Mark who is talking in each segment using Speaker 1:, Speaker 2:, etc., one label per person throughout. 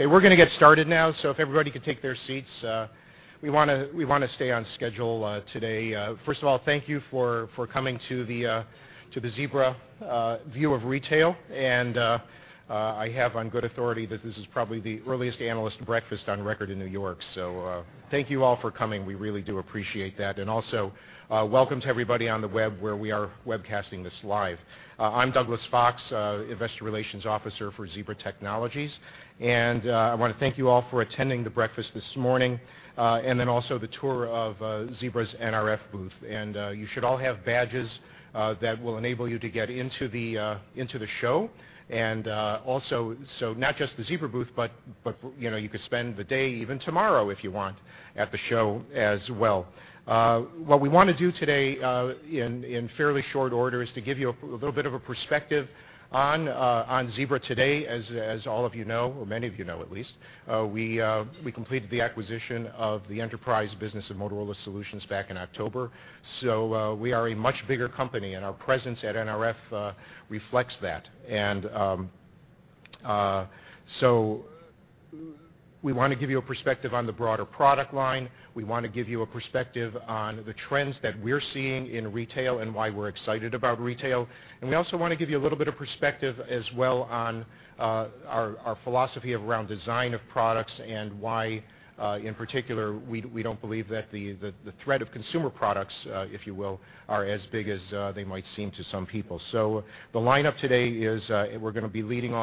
Speaker 1: Okay, we're going to get started now, so if everybody could take their seats, we want to stay on schedule today. First of all, thank you for coming to the Zebra view of retail. And I have on good authority that this is probably the earliest analyst breakfast on record in New York. So thank you all for coming. We really do appreciate that. And also, welcome to everybody on the web, where we are webcasting this live. I'm Douglas Fox, Investor Relations Officer for Zebra Technologies. And I want to thank you all for attending the breakfast this morning, and then also the tour of Zebra's NRF booth. And you should all have badges that will enable you to get into the show. Also, so not just the Zebra booth, but you know, you could spend the day, even tomorrow if you want, at the show as well. What we want to do today, in fairly short order, is to give you a little bit of a perspective on Zebra today. As all of you know, or many of you know, at least, we completed the acquisition of the enterprise business of Motorola Solutions back in October. So, we are a much bigger company, and our presence at NRF reflects that. So we want to give you a perspective on the broader product line. We want to give you a perspective on the trends that we're seeing in retail and why we're excited about retail. We also want to give you a little bit of perspective as well on our philosophy around design of products and why in particular we don't believe that the threat of consumer products if you will are as big as they might seem to some people. So the lineup today is, we're going to be leading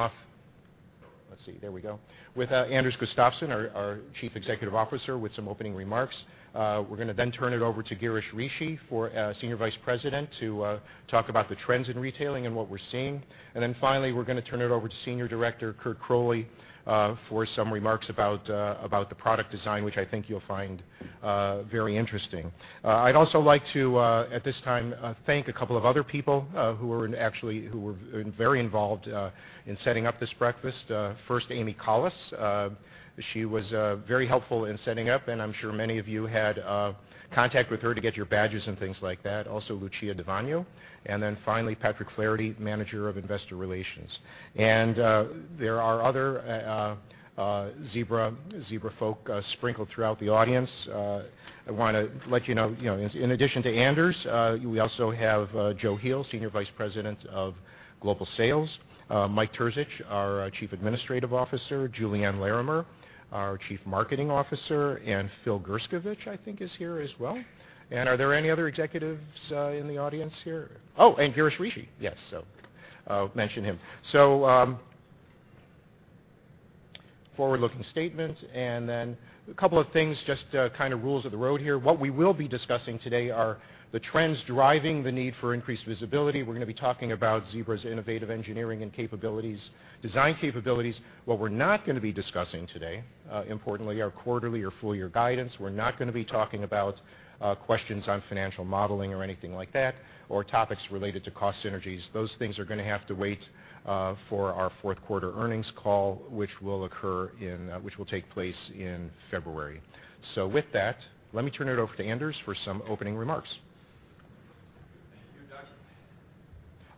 Speaker 1: off—let's see. There we go. With Anders Gustafsson, our Chief Executive Officer, with some opening remarks. We're going to then turn it over to Girish Rishi, for Senior Vice President, to talk about the trends in retailing and what we're seeing. And then finally, we're going to turn it over to Senior Director Curt Croley for some remarks about the product design, which I think you'll find very interesting. I'd also like to, at this time, thank a couple of other people who were very involved in setting up this breakfast. First, Amy Collis. She was very helpful in setting up, and I'm sure many of you had contact with her to get your badges and things like that. Also, Lucia Da Vagno, and then finally, Patrick Flaherty, Manager of Investor Relations. And there are other Zebra folk sprinkled throughout the audience. I want to let you know, you know, in addition to Anders, we also have Joe Heel, Senior Vice President of Global Sales, Mike Terzich, our Chief Administrative Officer, Juliann Larimer, our Chief Marketing Officer, and Phil Gerskovich, I think, is here as well. And are there any other executives in the audience here? Oh, and Girish Rishi.
Speaker 2: Yes, so.
Speaker 1: Mention him. So, forward-looking statements, and then a couple of things, just, kind of rules of the road here. What we will be discussing today are the trends driving the need for increased visibility. We're going to be talking about Zebra's innovative engineering and capabilities, design capabilities. What we're not going to be discussing today, importantly, our quarterly or full year guidance. We're not going to be talking about, questions on financial modeling or anything like that, or topics related to cost synergies. Those things are going to have to wait, for our fourth quarter earnings call, which will occur in, which will take place in February. So with that, let me turn it over to Anders for some opening remarks.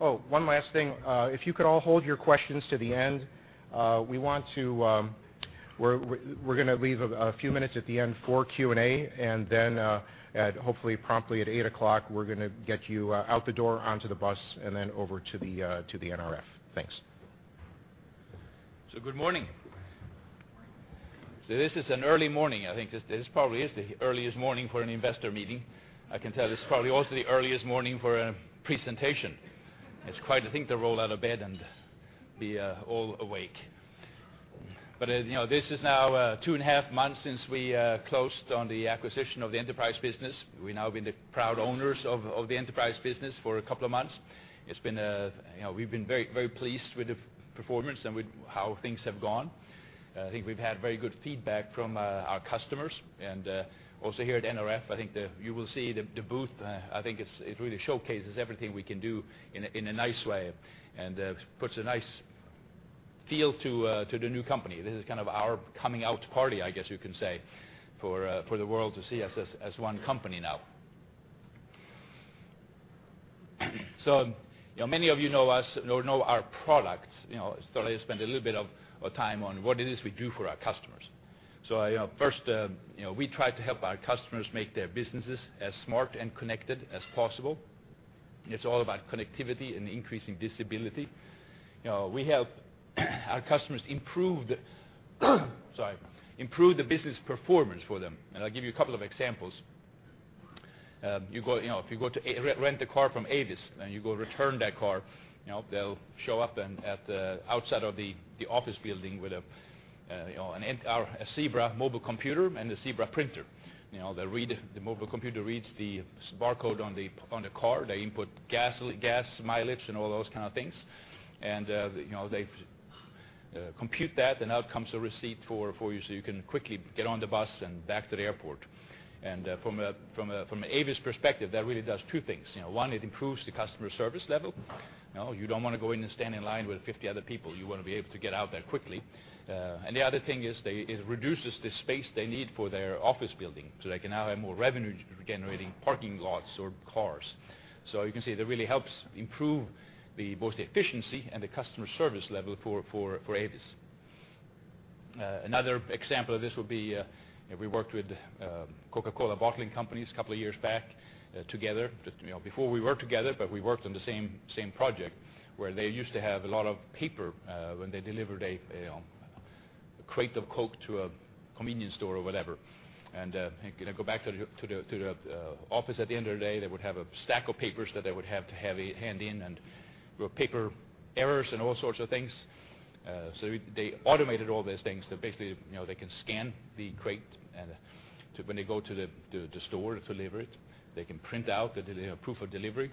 Speaker 3: Thank you, Doug.
Speaker 1: Oh, one last thing. If you could all hold your questions to the end, we want to, we're going to leave a few minutes at the end for Q&A, and then, hopefully, promptly at 8 o'clock, we're going to get you out the door, onto the bus, and then over to the NRF. Thanks.
Speaker 3: So good morning. So this is an early morning. I think this probably is the earliest morning for an investor meeting. I can tell this is probably also the earliest morning for a presentation. It's quite a thing to roll out of bed and be all awake. But you know, this is now two and a half months since we closed on the acquisition of the enterprise business. We've now been the proud owners of the enterprise business for a couple of months. It's been you know, we've been very, very pleased with the performance and with how things have gone. I think we've had very good feedback from our customers. And also here at NRF, I think the—you will see the booth. I think it really showcases everything we can do in a nice way, and puts a nice feel to the new company. This is kind of our coming out party, I guess, you can say, for the world to see us as one company now. So, you know, many of you know us or know our products, you know, so I spend a little bit of time on what it is we do for our customers. So, first, you know, we try to help our customers make their businesses as smart and connected as possible. It's all about connectivity and increasing visibility. You know, we help our customers improve the business performance for them, and I'll give you a couple of examples. You go, you know, if you go to rent a car from Avis, and you go return that car, you know, they'll show up at the outside of the office building with a Zebra mobile computer and a Zebra printer. You know, the mobile computer reads the barcode on the car. They input gasoline, gas mileage, and all those kind of things. And, you know, they compute that, and out comes a receipt for you, so you can quickly get on the bus and back to the airport. And, from Avis' perspective, that really does two things. You know, one, it improves the customer service level. You know, you don't want to go in and stand in line with 50 other people. You want to be able to get out there quickly. And the other thing is they, it reduces the space they need for their office building, so they can now have more revenue-generating parking lots or cars. So you can see that really helps improve both the efficiency and the customer service level for Avis. Another example of this would be, we worked with Coca-Cola bottling companies a couple of years back, together. Just, you know, before we were together, but we worked on the same project, where they used to have a lot of paper when they delivered a crate of Coke to a convenience store or whatever. They go back to the office at the end of the day. They would have a stack of papers that they would have to hand in, and there were paper errors and all sorts of things. So they automated all these things to basically, you know, they can scan the crate, and when they go to the store to deliver it, they can print out the delivery, proof of delivery,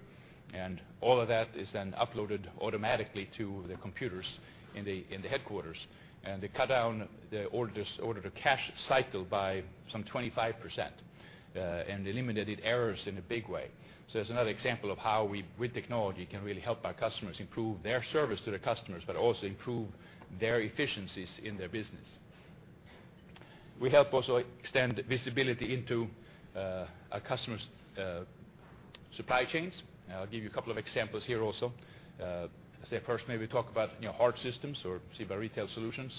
Speaker 3: and all of that is then uploaded automatically to the computers in the headquarters. They cut down the order-to-cash cycle by some 25%, and eliminated errors in a big way. That's another example of how we, with technology, can really help our customers improve their service to their customers, but also improve their efficiencies in their business. We help also extend visibility into a customer's supply chains. I'll give you a couple of examples here also. Say, first, maybe talk about, you know, Hart Systems or Zebra Retail Solutions,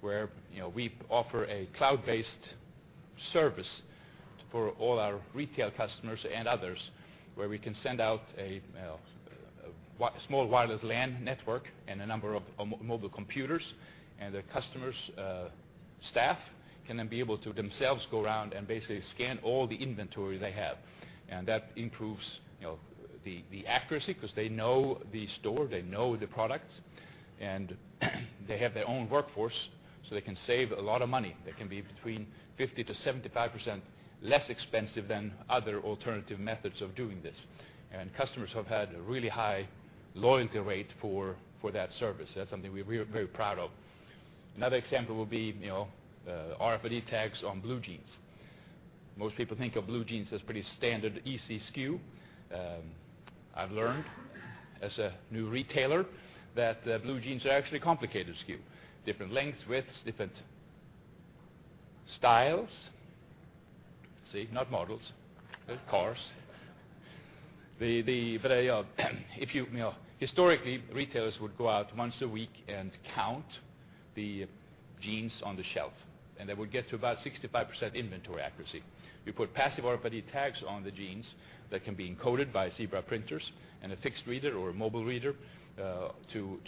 Speaker 3: where, you know, we offer a cloud-based service for all our retail customers and others, where we can send out a small Wireless LAN network and a number of mobile computers, and the customer's staff can then be able to themselves go around and basically scan all the inventory they have. And that improves, you know, the accuracy, because they know the store, they know the products, and they have their own workforce, so they can save a lot of money. They can be between 50%-75% less expensive than other alternative methods of doing this. And customers have had a really high loyalty rate for that service. That's something we're very proud of. Another example would be, you know, RFID tags on blue jeans. Most people think of blue jeans as pretty standard, easy SKU. I've learned as a new retailer that blue jeans are actually a complicated SKU. Different lengths, widths, different styles. See, not models, they're cars. But if you, you know, historically, retailers would go out once a week and count the jeans on the shelf, and they would get to about 65% inventory accuracy. We put passive RFID tags on the jeans that can be encoded by Zebra printers and a fixed reader or a mobile reader to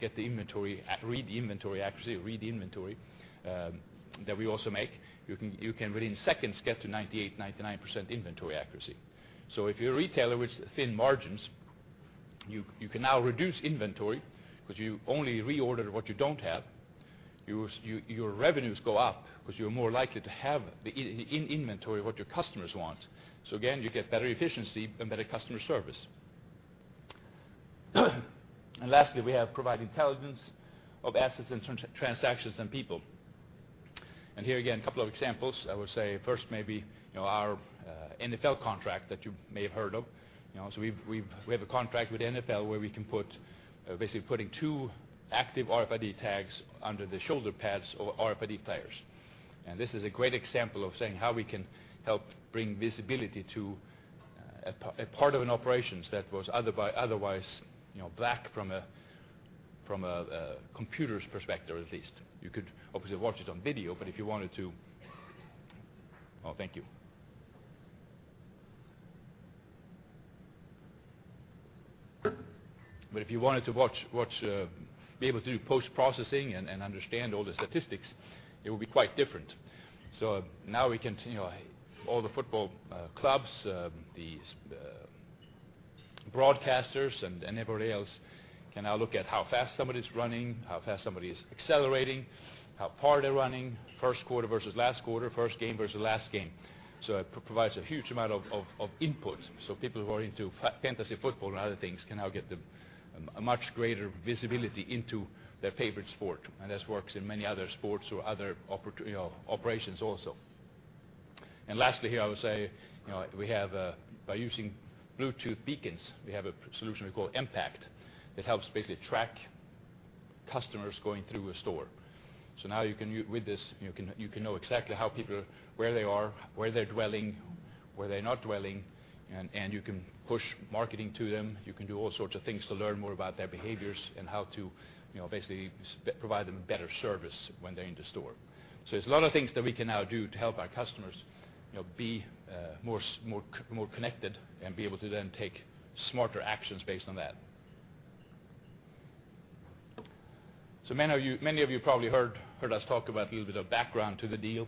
Speaker 3: get the inventory, read the inventory accuracy, read the inventory that we also make. You can really in seconds get to 98%-99% inventory accuracy. So if you're a retailer with thin margins, you can now reduce inventory because you only reorder what you don't have. Your revenues go up because you're more likely to have the in inventory what your customers want. So again, you get better efficiency and better customer service. And lastly, we have provide intelligence of assets and transactions and people. And here, again, a couple of examples. I would say first, maybe, you know, our NFL contract that you may have heard of. You know, so we've, we've, we have a contract with NFL where we can put basically putting two active RFID tags under the shoulder pads of NFL players. This is a great example of saying how we can help bring visibility to a part of an operations that was otherwise, you know, black from a computer's perspective, at least. You could obviously watch it on video, but if you wanted to—oh, thank you. If you wanted to watch, be able to do post-processing and understand all the statistics, it would be quite different. So now we can, you know, all the football clubs, the broadcasters and everybody else can now look at how fast somebody's running, how fast somebody is accelerating, how far they're running, first quarter versus last quarter, first game versus last game. So it provides a huge amount of input, so people who are into fantasy football and other things can now get a much greater visibility into their favorite sport. And this works in many other sports or other opportunities. You know, operations also. And lastly here, I would say, you know, we have, by using Bluetooth beacons, we have a solution we call MPact. It helps basically track customers going through a store. So now you can, with this, you can, you can know exactly how people, where they are, where they're dwelling, where they're not dwelling, and you can push marketing to them. You can do all sorts of things to learn more about their behaviors and how to, you know, basically provide them better service when they're in the store. So there's a lot of things that we can now do to help our customers, you know, be more connected and be able to then take smarter actions based on that. So many of you probably heard us talk about a little bit of background to the deal,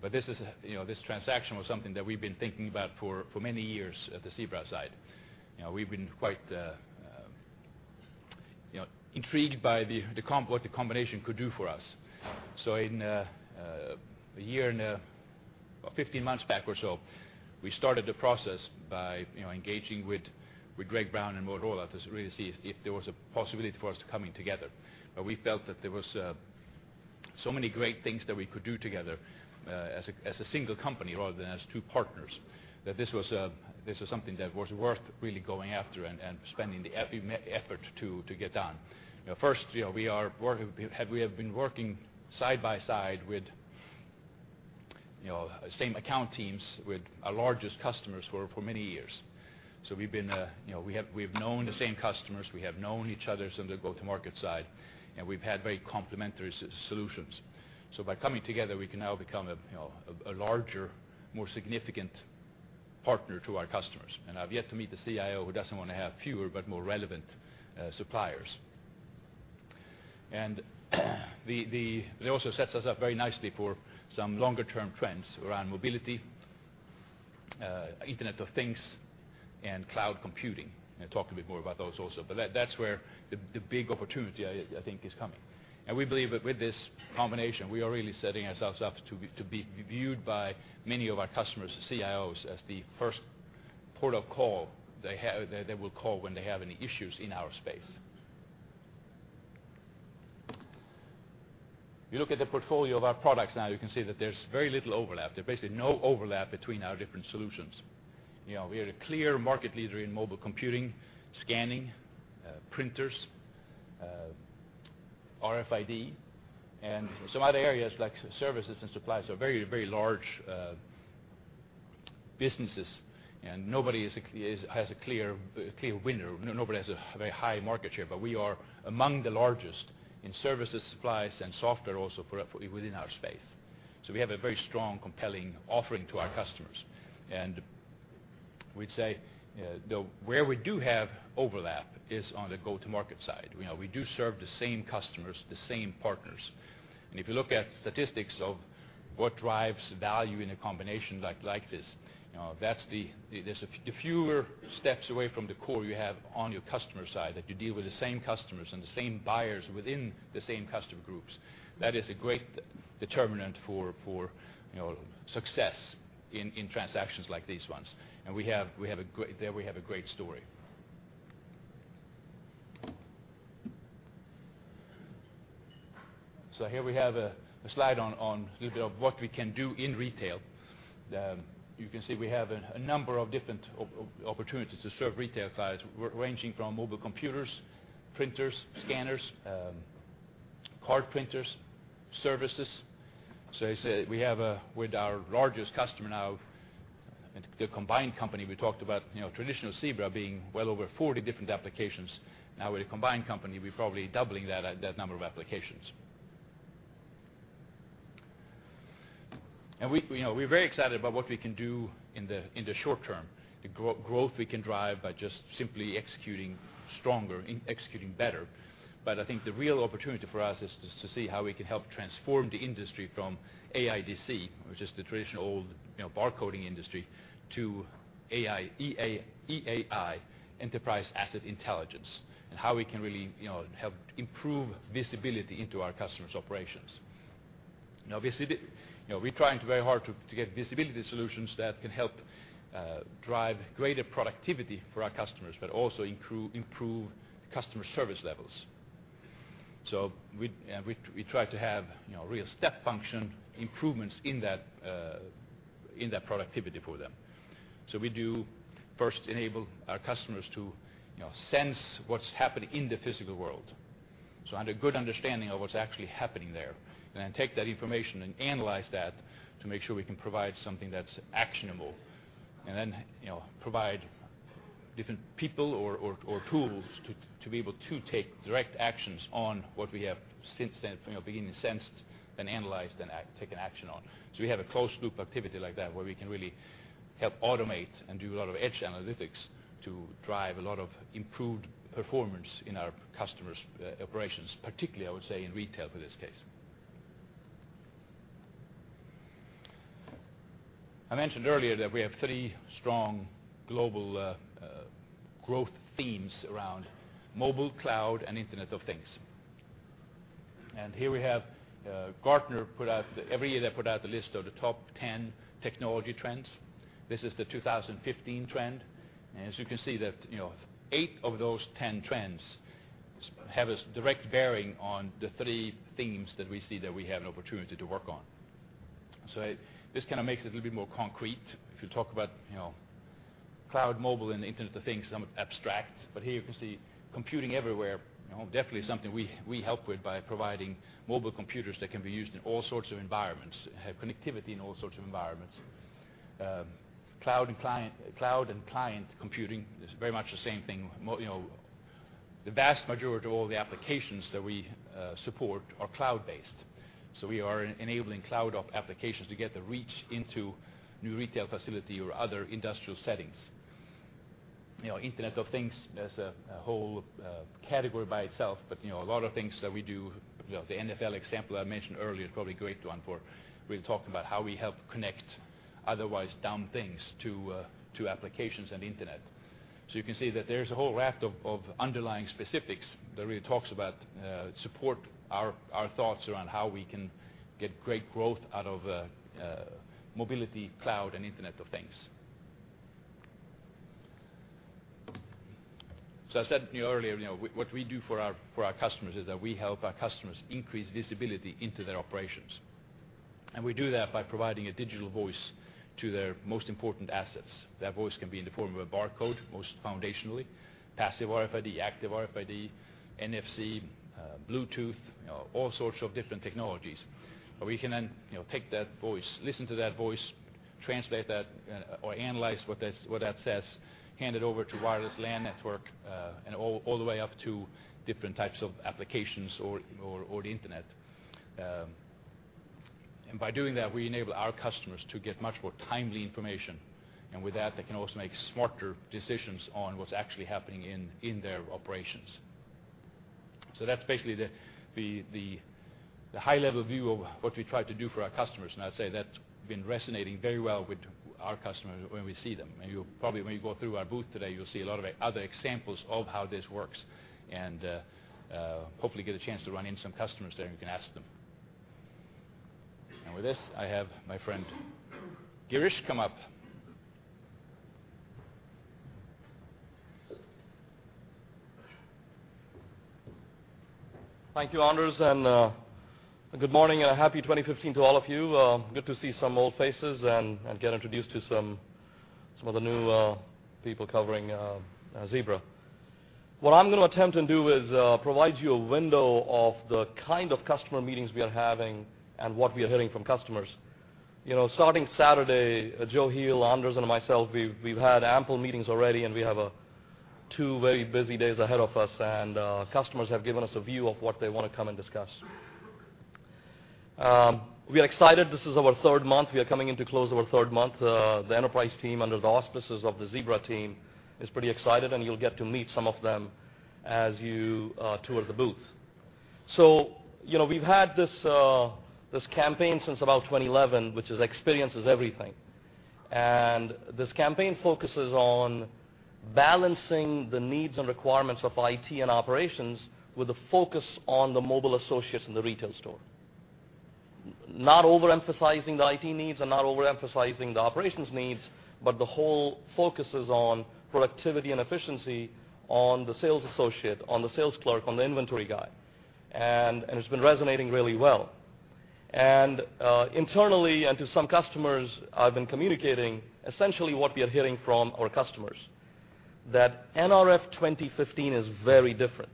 Speaker 3: but this is, you know, this transaction was something that we've been thinking about for many years at the Zebra side. You know, we've been quite, you know, intrigued by what the combination could do for us. So in about 15 months back or so, we started the process by, you know, engaging with Greg Brown and Motorola to really see if there was a possibility for us coming together. But we felt that there was so many great things that we could do together, as a single company rather than as two partners, that this was something that was worth really going after and spending the effort to get done. First, you know, we are working, we have been working side by side with you know, same account teams with our largest customers for many years. So we've been, you know, we've known the same customers, we have known each other on the go-to-market side, and we've had very complementary solutions. So by coming together, we can now become a, you know, a larger, more significant partner to our customers. And I've yet to meet the CIO who doesn't want to have fewer, but more relevant suppliers. It also sets us up very nicely for some longer term trends around mobility, Internet of Things, and Cloud Computing. I'll talk a bit more about those also, but that's where the big opportunity I think is coming. And we believe that with this combination, we are really setting ourselves up to be viewed by many of our customers, the CIOs, as the first port of call they have, they will call when they have any issues in our space. You look at the portfolio of our products now, you can see that there's very little overlap. There's basically no overlap between our different solutions. You know, we are a clear market leader in mobile computing, scanning, printers, RFID, and some other areas, like services and supplies, so very, very large businesses, and nobody is a clear winner. Nobody has a very high market share, but we are among the largest in services, supplies, and software also for, within our space. So we have a very strong, compelling offering to our customers. And we'd say, where we do have overlap is on the go-to-market side. You know, we do serve the same customers, the same partners. If you look at statistics of what drives value in a combination like this, you know, that's the fewer steps away from the core you have on your customer side, if you deal with the same customers and the same buyers within the same customer groups, that is a great determinant for, you know, success in transactions like these ones. We have a great story. Here we have a slide on a little bit of what we can do in retail. You can see we have a number of different opportunities to serve retail sides, ranging from mobile computers, printers, scanners, card printers, services. So, we have, with our largest customer now, the combined company we talked about, you know, traditional Zebra being well over 40 different applications. Now, with the combined company, we're probably doubling that number of applications. We, you know, we're very excited about what we can do in the short term, the growth we can drive by just simply executing stronger, executing better. But I think the real opportunity for us is to see how we can help transform the industry from AIDC, which is the traditional, you know, barcoding industry, to EAI, Enterprise Asset Intelligence, and how we can really, you know, help improve visibility into our customers' operations. Now, you know, we're trying very hard to get visibility solutions that can help drive greater productivity for our customers, but also improve customer service levels. So we try to have, you know, real step function improvements in that productivity for them. So we do first enable our customers to, you know, sense what's happening in the physical world, so have a good understanding of what's actually happening there, and then take that information and analyze that to make sure we can provide something that's actionable, and then, you know, provide different people or tools to be able to take direct actions on what we have sensed then, you know, being sensed, then analyzed, and action taken on. So we have a closed-loop activity like that, where we can really help automate and do a lot of edge analytics to drive a lot of improved performance in our customers' operations, particularly, I would say, in retail, for this case. I mentioned earlier that we have three strong global growth themes around mobile, cloud, and Internet of Things. And here we have Gartner put out, every year they put out the list of the top 10 technology trends. This is the 2015 trend. And as you can see that, you know, eight of those 10 trends have a direct bearing on the three themes that we see that we have an opportunity to work on. So this kind of makes it a little bit more concrete. If you talk about, you know, cloud, mobile, and Internet of Things, some abstract, but here you can see computing everywhere, you know, definitely something we, we help with by providing mobile computers that can be used in all sorts of environments, have connectivity in all sorts of environments. Cloud and client, cloud and client computing is very much the same thing. You know, the vast majority of all the applications that we support are cloud-based, so we are enabling cloud of applications to get the reach into new retail facility or other industrial settings. You know, Internet of Things, that's a whole category by itself, but you know, a lot of things that we do, you know, the NFL example I mentioned earlier, is probably a great one for really talking about how we help connect otherwise dumb things to applications and internet. So you can see that there's a whole raft of underlying specifics that really talks about support our thoughts around how we can get great growth out of mobility, cloud, and Internet of Things. So I said, you know, earlier, you know, what we do for our customers, is that we help our customers increase visibility into their operations. And we do that by providing a digital voice to their most important assets. That voice can be in the form of a barcode, most foundationally, passive RFID, active RFID, NFC, Bluetooth, you know, all sorts of different technologies. But we can then, you know, take that voice, listen to that voice, translate that, or analyze what that, what that says, hand it over to wireless LAN network, and all, all the way up to different types of applications or, or, or the internet. And by doing that, we enable our customers to get much more timely information, and with that, they can also make smarter decisions on what's actually happening in, in their operations. So that's basically the, the, the, the high level view of what we try to do for our customers, and I'd say that's been resonating very well with our customers when we see them. You probably, when you go through our booth today, you'll see a lot of other examples of how this works, and hopefully get a chance to run into some customers there, you can ask them. With this, I have my friend Girish come up.
Speaker 2: Thank you, Anders, and good morning, and a happy 2015 to all of you. Good to see some old faces and get introduced to some of the new people covering Zebra. What I'm gonna attempt and do is provide you a window of the kind of customer meetings we are having and what we are hearing from customers. You know, starting Saturday, Joe Heel, Anders, and myself, we've had ample meetings already, and we have two very busy days ahead of us, and customers have given us a view of what they want to come and discuss. We are excited. This is our third month. We are coming in to close our third month. The enterprise team, under the auspices of the Zebra team, is pretty excited, and you'll get to meet some of them as you tour the booth. So, you know, we've had this campaign since about 2011, which is, "Experience is everything." And this campaign focuses on balancing the needs and requirements of IT and operations, with a focus on the mobile associates in the retail store. Not overemphasizing the IT needs and not overemphasizing the operations needs, but the whole focus is on productivity and efficiency on the sales associate, on the sales clerk, on the inventory guy. And it's been resonating really well. Internally, and to some customers, I've been communicating essentially what we are hearing from our customers, that NRF 2015 is very different.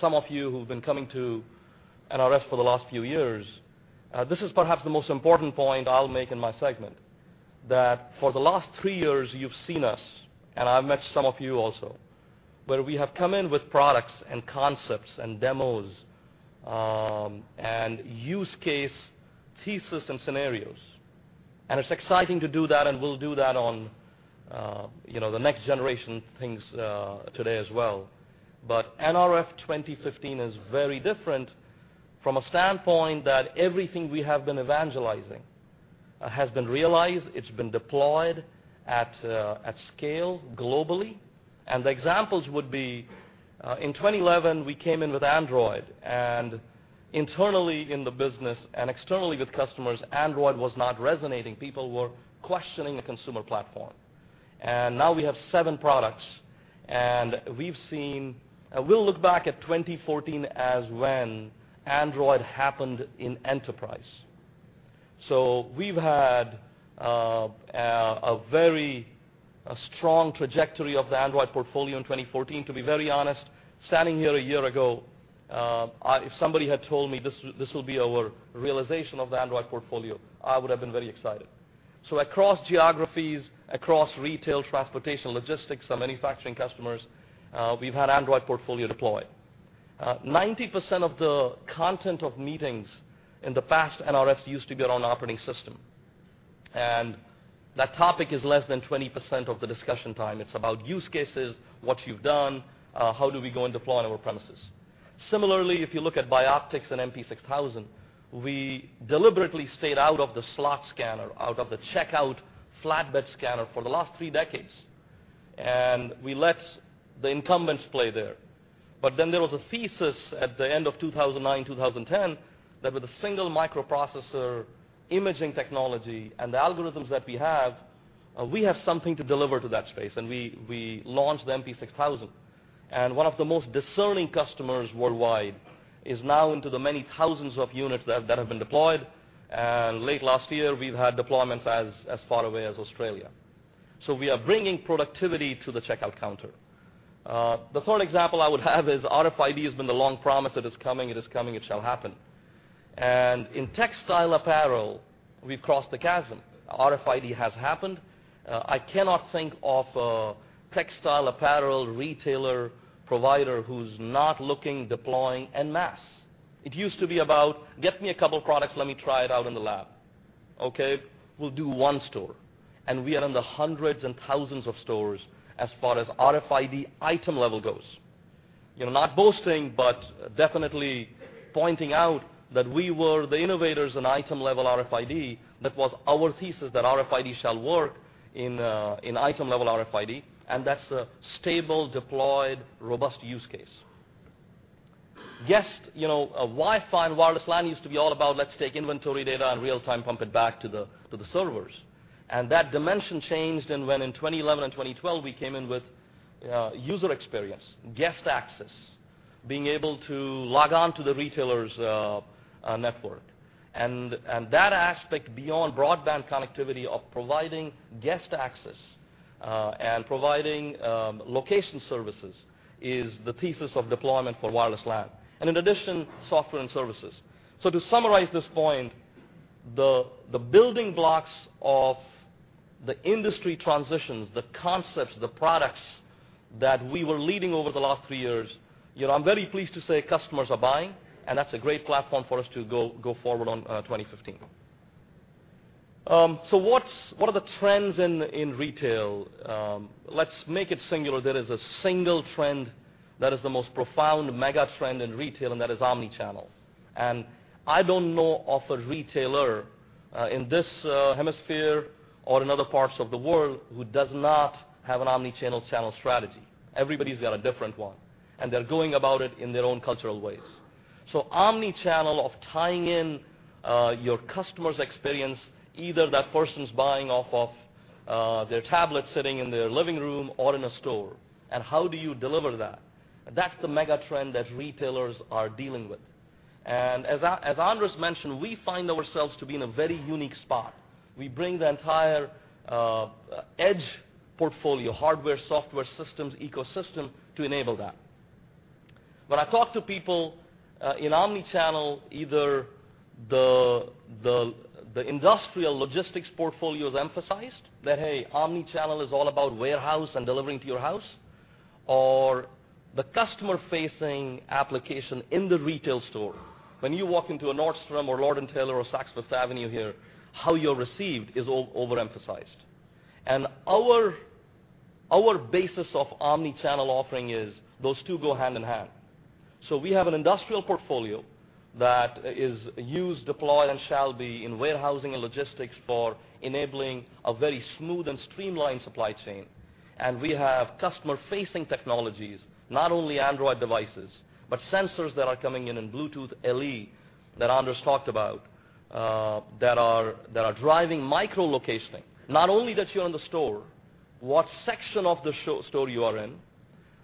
Speaker 2: Some of you who've been coming to NRF for the last few years, this is perhaps the most important point I'll make in my segment, that for the last 3 years, you've seen us, and I've met some of you also, where we have come in with products and concepts and demos, and use case thesis and scenarios. And it's exciting to do that, and we'll do that on, you know, the next generation things, today as well. But NRF 2015 is very different from a standpoint that everything we have been evangelizing has been realized, it's been deployed at scale globally. And the examples would be, in 2011, we came in with Android, and internally in the business and externally with customers, Android was not resonating. People were questioning a consumer platform. Now we have seven products, and we've seen—we'll look back at 2014 as when Android happened in enterprise. So we've had a very strong trajectory of the Android portfolio in 2014. To be very honest, standing here a year ago, if somebody had told me this, this will be our realization of the Android portfolio, I would have been very excited. So across geographies, across retail, transportation, logistics, and manufacturing customers, we've had Android portfolio deployed. Ninety percent of the content of meetings in the past NRFs used to be around operating system, and that topic is less than 20% of the discussion time. It's about use cases, what you've done, how do we go and deploy on our premises? Similarly, if you look at bioptic and MP6000, we deliberately stayed out of the slot scanner, out of the checkout flatbed scanner for the last three decades, and we let the incumbents play there. But then there was a thesis at the end of 2009, 2010, that with a single microprocessor, imaging technology, and the algorithms that we have, we have something to deliver to that space, and we, we launched the MP6000. And one of the most discerning customers worldwide is now into the many thousands of units that, that have been deployed, and late last year, we've had deployments as, as far away as Australia. So we are bringing productivity to the checkout counter. The third example I would have is, RFID has been the long promise that is coming, it is coming, it shall happen. In textile apparel, we've crossed the chasm. RFID has happened. I cannot think of a textile apparel retailer provider who's not looking, deploying en masse. It used to be about, "Get me a couple products, let me try it out in the lab." Okay, we'll do one store, and we are in the hundreds and thousands of stores as far as RFID item level goes. You know, not boasting, but definitely pointing out that we were the innovators in item level RFID. That was our thesis, that RFID shall work in, in item level RFID, and that's a stable, deployed, robust use case. Just, you know, Wi-Fi and wireless LAN used to be all about, let's take inventory data and real-time pump it back to the, to the servers. That dimension changed, and when in 2011 and 2012, we came in with user experience, guest access, being able to log on to the retailer's network. And that aspect beyond broadband connectivity of providing guest access and providing location services is the thesis of deployment for wireless LAN. And in addition, software and services. So to summarize this point, the building blocks of the industry transitions, the concepts, the products that we were leading over the last three years, you know, I'm very pleased to say customers are buying, and that's a great platform for us to go forward on 2015. So what are the trends in retail? Let's make it singular. There is a single trend that is the most profound mega trend in retail, and that is omni-channel. And I don't know of a retailer, in this, hemisphere or in other parts of the world, who does not have an omni-channel channel strategy. Everybody's got a different one, and they're going about it in their own cultural ways. So omni-channel of tying in, your customer's experience, either that person's buying off of, their tablet, sitting in their living room or in a store, and how do you deliver that? That's the mega trend that retailers are dealing with. And as Anders mentioned, we find ourselves to be in a very unique spot. We bring the entire, edge portfolio, hardware, software, systems, ecosystem, to enable that. When I talk to people in Omni-channel, either the industrial logistics portfolio is emphasized, that hey, Omni-channel is all about warehouse and delivering to your house, or the customer-facing application in the retail store. When you walk into a Nordstrom or Lord & Taylor or Saks Fifth Avenue here, how you're received is overemphasized. And our basis of Omni-channel offering is those two go hand-in-hand. So we have an industrial portfolio that is used, deployed, and shall be in warehousing and logistics for enabling a very smooth and streamlined supply chain. And we have customer-facing technologies, not only Android devices, but sensors that are coming in and Bluetooth LE, that Anders talked about, that are driving micro-locationing. Not only that you're in the store, what section of the store you are in,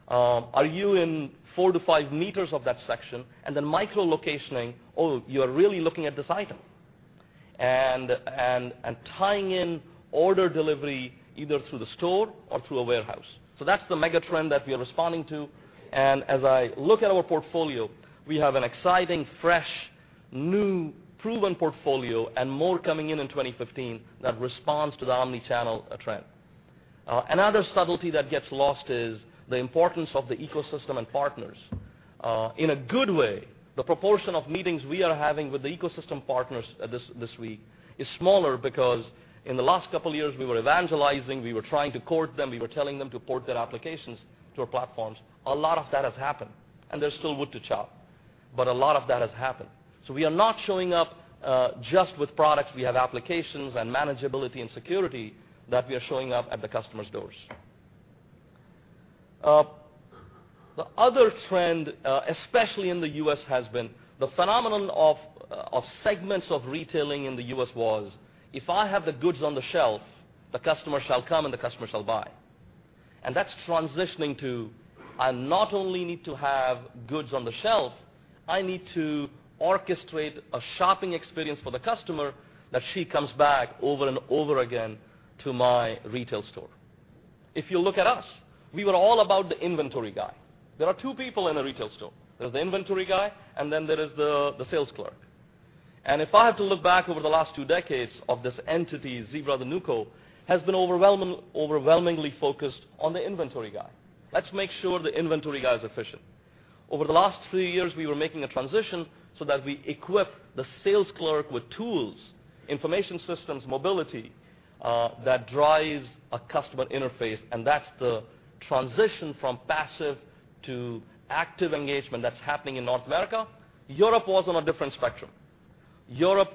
Speaker 2: are you in 4 m-5 m of that section? And then micro-locationing, oh, you are really looking at this item. And tying in order delivery either through the store or through a warehouse. So that's the mega trend that we are responding to, and as I look at our portfolio, we have an exciting, fresh, new, proven portfolio and more coming in in 2015 that responds to the omni-channel trend. Another subtlety that gets lost is the importance of the ecosystem and partners. In a good way, the proportion of meetings we are having with the ecosystem partners this week is smaller because in the last couple of years, we were evangelizing, we were trying to court them, we were telling them to port their applications to our platforms. A lot of that has happened, and there's still wood to chop, but a lot of that has happened. So we are not showing up just with products. We have applications and manageability and security that we are showing up at the customer's doors. The other trend, especially in the U.S., has been the phenomenon of segments of retailing in the U.S. was, if I have the goods on the shelf, the customer shall come, and the customer shall buy. That's transitioning to, I not only need to have goods on the shelf, I need to orchestrate a shopping experience for the customer that she comes back over and over again to my retail store. If you look at us, we were all about the inventory guy. There are two people in a retail store. There's the inventory guy, and then there is the sales clerk. If I have to look back over the last two decades of this entity, Zebra, the NewCo, has been overwhelmingly focused on the inventory guy. Let's make sure the inventory guy is efficient. Over the last three years, we were making a transition so that we equip the sales clerk with tools, information systems, mobility that drives a customer interface, and that's the transition from passive to active engagement that's happening in North America. Europe was on a different spectrum. Europe,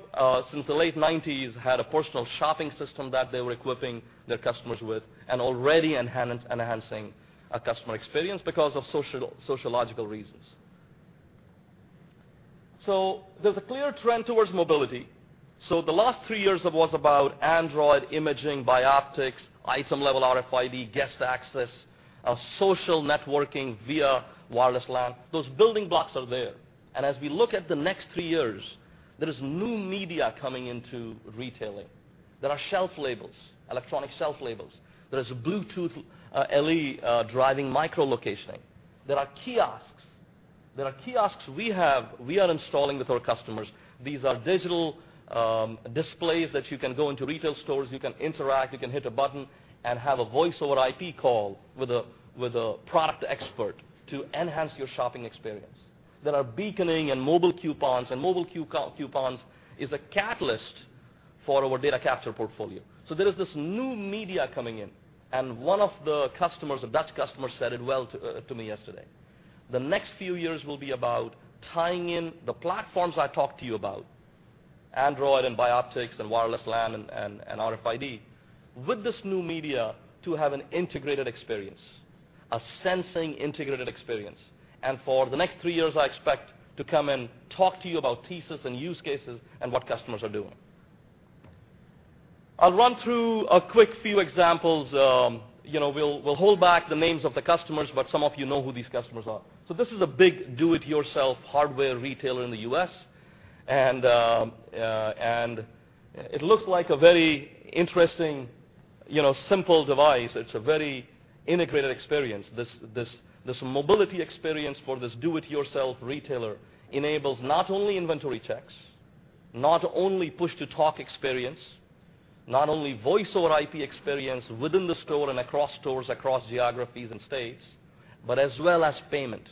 Speaker 2: since the late 1990s, had a personal shopping system that they were equipping their customers with and already enhancing a customer experience because of sociological reasons. So there's a clear trend towards mobility. So the last three years, it was about Android, imaging, bioptics, item level RFID, guest access, social networking via wireless LAN. Those building blocks are there. And as we look at the next three years, there is new media coming into retailing. There are shelf labels, electronic shelf labels. There is a Bluetooth LE driving micro-locationing. There are kiosks. There are kiosks we have, we are installing with our customers. These are digital displays that you can go into retail stores, you can interact, you can hit a button, and have a Voice over IP call with a product expert to enhance your shopping experience. There are beaconing and mobile coupons, and mobile coupons is a catalyst for our data capture portfolio. So there is this new media coming in, and one of the customers, a Dutch customer, said it well to me yesterday. "The next few years will be about tying in the platforms I talked to you about, Android and bioptics and wireless LAN and RFID, with this new media to have an integrated experience, a sensing, integrated experience." And for the next three years, I expect to come and talk to you about thesis and use cases and what customers are doing. I'll run through a quick few examples. You know, we'll hold back the names of the customers, but some of you know who these customers are. So this is a big do-it-yourself hardware retailer in the U.S.—and it looks like a very interesting, you know, simple device. It's a very integrated experience. This mobility experience for this do-it-yourself retailer enables not only inventory checks, not only push-to-talk experience, not only voice-over-IP experience within the store and across stores, across geographies and states, but as well as payment.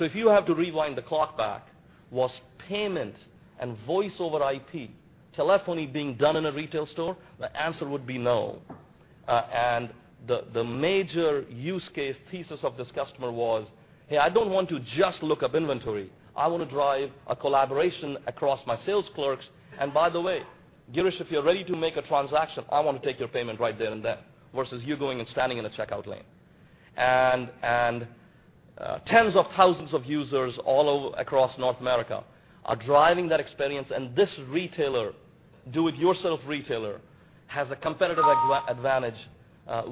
Speaker 2: So if you have to rewind the clock back, was payment and voice-over-IP telephony being done in a retail store? The answer would be no. And the major use case thesis of this customer was, "Hey, I don't want to just look up inventory. I want to drive a collaboration across my sales clerks. And by the way, Girish, if you're ready to make a transaction, I want to take your payment right there and then, versus you going and standing in a checkout lane." Tens of thousands of users all over across North America are driving that experience, and this retailer, do-it-yourself retailer, has a competitive advantage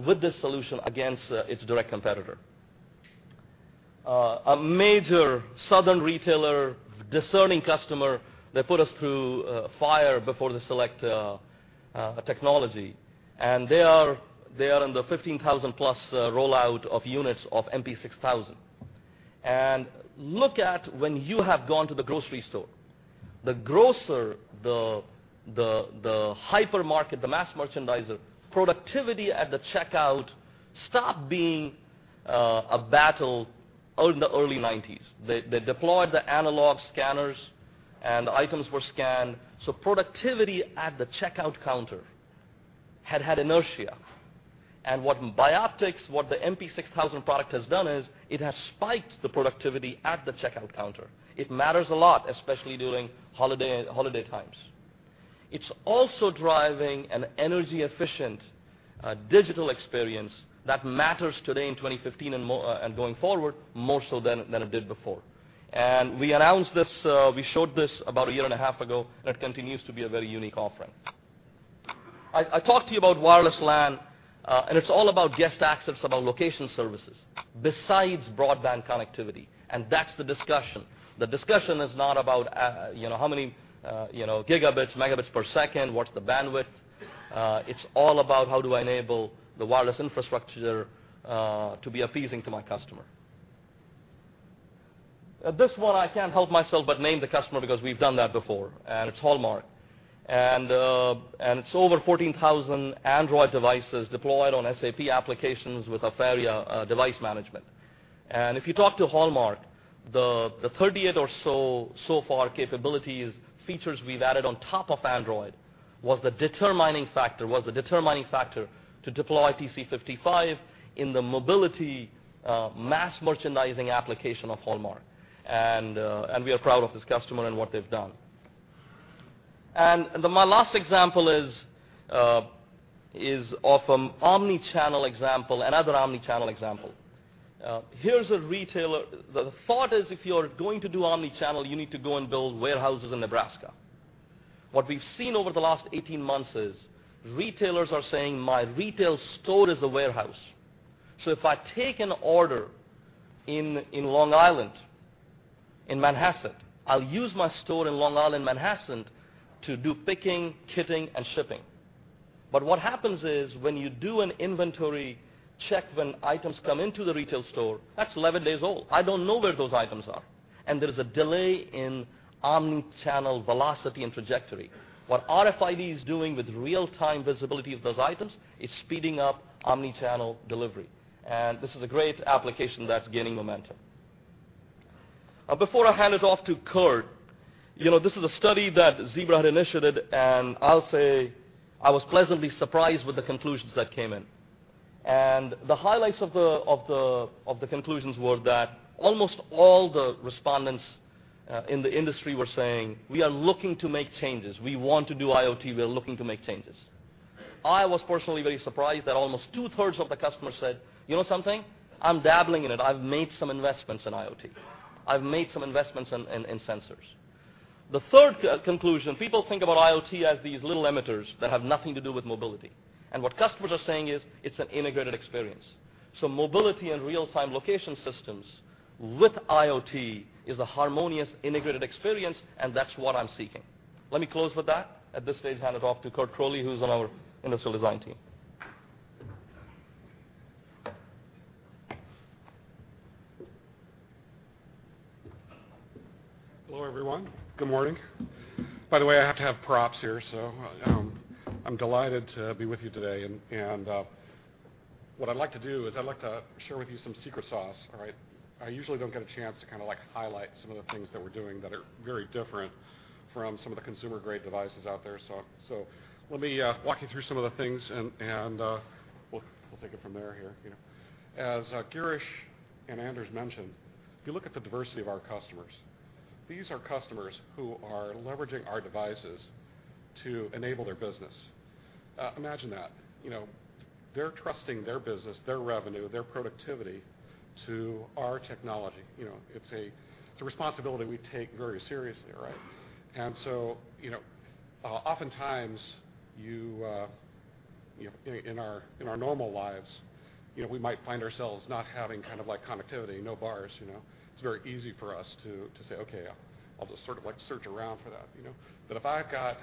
Speaker 2: with this solution against its direct competitor. A major southern retailer, discerning customer, they put us through fire before they select technology, and they are in the 15,000 rollout of units of MP6000. Look at when you have gone to the grocery store, the grocer, the hypermarket, the mass merchandiser, productivity at the checkout stopped being a battle in the early 1990s. They, they deployed the analog scanners, and items were scanned, so productivity at the checkout counter had had inertia. What Bioptic, what the MP6000 product has done is, it has spiked the productivity at the checkout counter. It matters a lot, especially during holiday, holiday times. It's also driving an energy-efficient, digital experience that matters today in 2015 and more, and going forward, more so than, than it did before. We announced this, we showed this about a year and a half ago, and it continues to be a very unique offering. I, I talked to you about wireless LAN, and it's all about guest access, about location services, besides broadband connectivity, and that's the discussion. The discussion is not about, you know, how many, you know, gigabits, megabits per second, what's the bandwidth? It's all about how do I enable the wireless infrastructure to be appeasing to my customer. This one, I can't help myself but name the customer because we've done that before, and it's Hallmark. And it's over 14,000 Android devices deployed on SAP applications with Afaria device management. And if you talk to Hallmark, the 38 or so, so far, capabilities, features we've added on top of Android, was the determining factor, was the determining factor to deploy TC55 in the mobility mass merchandising application of Hallmark. And we are proud of this customer and what they've done. My last example is of an omni-channel example, another omni-channel example. Here's a retailer, the thought is, if you're going to do omni-channel, you need to go and build warehouses in Nebraska. What we've seen over the last 18 months is, retailers are saying, "My retail store is a warehouse. So if I take an order in, in Long Island, in Manhasset, I'll use my store in Long Island, Manhasset, to do picking, kitting, and shipping." But what happens is, when you do an inventory check, when items come into the retail store, that's 11 days old. I don't know where those items are, and there's a delay in omni-channel velocity and trajectory. What RFID is doing with real-time visibility of those items, is speeding up omni-channel delivery. And this is a great application that's gaining momentum. Before I hand it off to Curt, you know, this is a study that Zebra had initiated, and I'll say I was pleasantly surprised with the conclusions that came in. The highlights of the conclusions were that almost all the respondents in the industry were saying, "We are looking to make changes. We want to do IoT. We are looking to make changes." I was personally very surprised that almost two-thirds of the customers said: "You know something? I'm dabbling in it. I've made some investments in IoT. I've made some investments in sensors." The third conclusion, people think about IoT as these little emitters that have nothing to do with mobility, and what customers are saying is, "It's an integrated experience." So mobility and real-time location systems with IoT is a harmonious, integrated experience, and that's what I'm seeking. Let me close with that. At this stage, hand it off to Curt Croley, who's on our industrial design team.
Speaker 4: Hello, everyone. Good morning. By the way, I have to have props here, so, I'm delighted to be with you today. And, what I'd like to do is I'd like to share with you some secret sauce. All right? I usually don't get a chance to kind of, like, highlight some of the things that we're doing that are very different from some of the consumer-grade devices out there. So, let me walk you through some of the things, and, we'll take it from there here, you know. As Girish and Anders mentioned, if you look at the diversity of our customers, these are customers who are leveraging our devices to enable their business. Imagine that, you know, they're trusting their business, their revenue, their productivity to our technology. You know, it's a responsibility we take very seriously, right? And so, you know, oftentimes, you know, in our normal lives, you know, we might find ourselves not having kind of, like, connectivity, no bars, you know? It's very easy for us to say, "Okay, I'll just sort of, like, search around for that," you know? But if I've got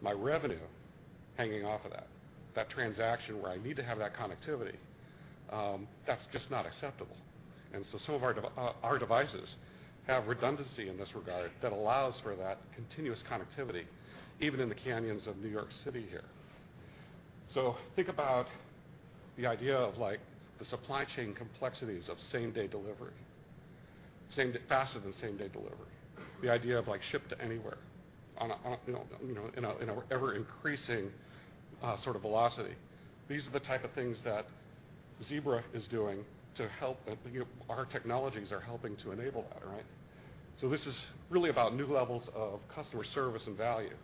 Speaker 4: my revenue hanging off of that, that transaction where I need to have that connectivity, that's just not acceptable. And so some of our devices have redundancy in this regard that allows for that continuous connectivity, even in the canyons of New York City here. So think about the idea of, like, the supply chain complexities of same-day delivery, same-day, faster than same-day delivery. The idea of, like, ship to anywhere on a, you know, in an ever-increasing sort of velocity. These are the type of things that Zebra is doing to help, you know, our technologies are helping to enable that, right? So this is really about new levels of customer service and value.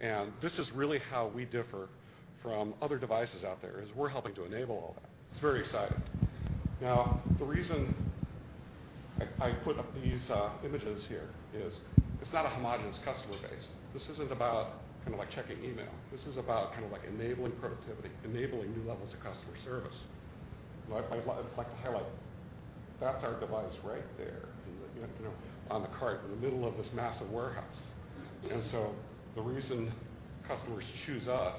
Speaker 4: And this is really how we differ from other devices out there, is we're helping to enable all that. It's very exciting. Now, the reason I put up these images here is it's not a homogeneous customer base. This isn't about kind of, like, checking email. This is about kind of, like, enabling productivity, enabling new levels of customer service. But I'd like to highlight, that's our device right there, you know, on the cart in the middle of this massive warehouse. And so the reason customers choose us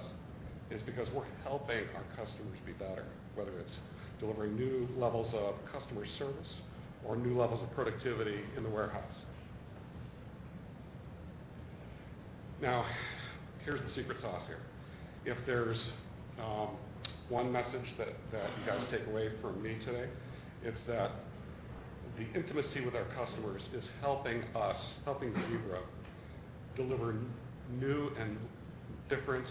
Speaker 4: is because we're helping our customers be better, whether it's delivering new levels of customer service or new levels of productivity in the warehouse. Now, here's the secret sauce here. If there's one message that you guys take away from me today, it's that the intimacy with our customers is helping us, helping Zebra, deliver new and different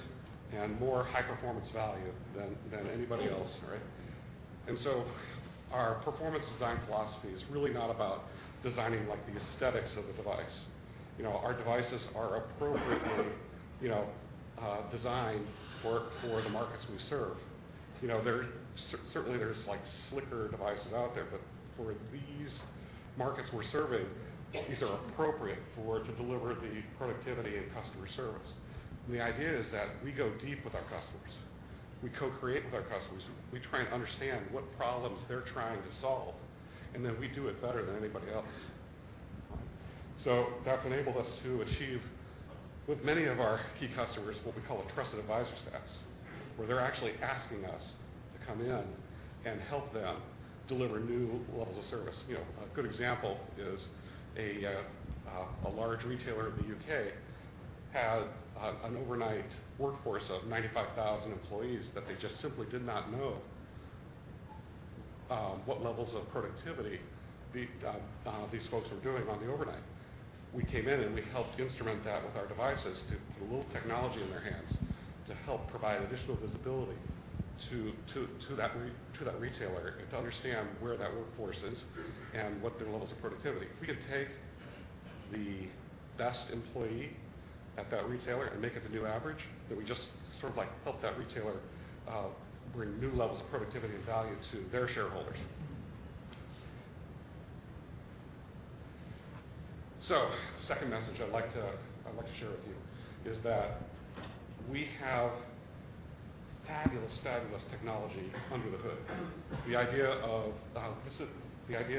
Speaker 4: and more high-performance value than anybody else, right? And so our performance design philosophy is really not about designing, like, the aesthetics of the device. You know, our devices are appropriately, you know, designed for the markets we serve. You know, there's certainly, like, slicker devices out there, but for these markets we're serving, these are appropriate to deliver the productivity and customer service. And the idea is that we go deep with our customers. We co-create with our customers. We try and understand what problems they're trying to solve, and then we do it better than anybody else. So that's enabled us to achieve, with many of our key customers, what we call a trusted advisor status, where they're actually asking us to come in and help them deliver new levels of service. You know, a good example is a large retailer in the U.K. had an overnight workforce of 95,000 employees that they just simply did not know what levels of productivity these folks were doing on the overnight. We came in, and we helped instrument that with our devices, to put a little technology in their hands to help provide additional visibility to that retailer, and to understand where that workforce is and what their levels of productivity. If we could take the best employee at that retailer and make it the new average, then we just sort of, like, helped that retailer bring new levels of productivity and value to their shareholders. So the second message I'd like to share with you is that we have fabulous, fabulous technology under the hood. The idea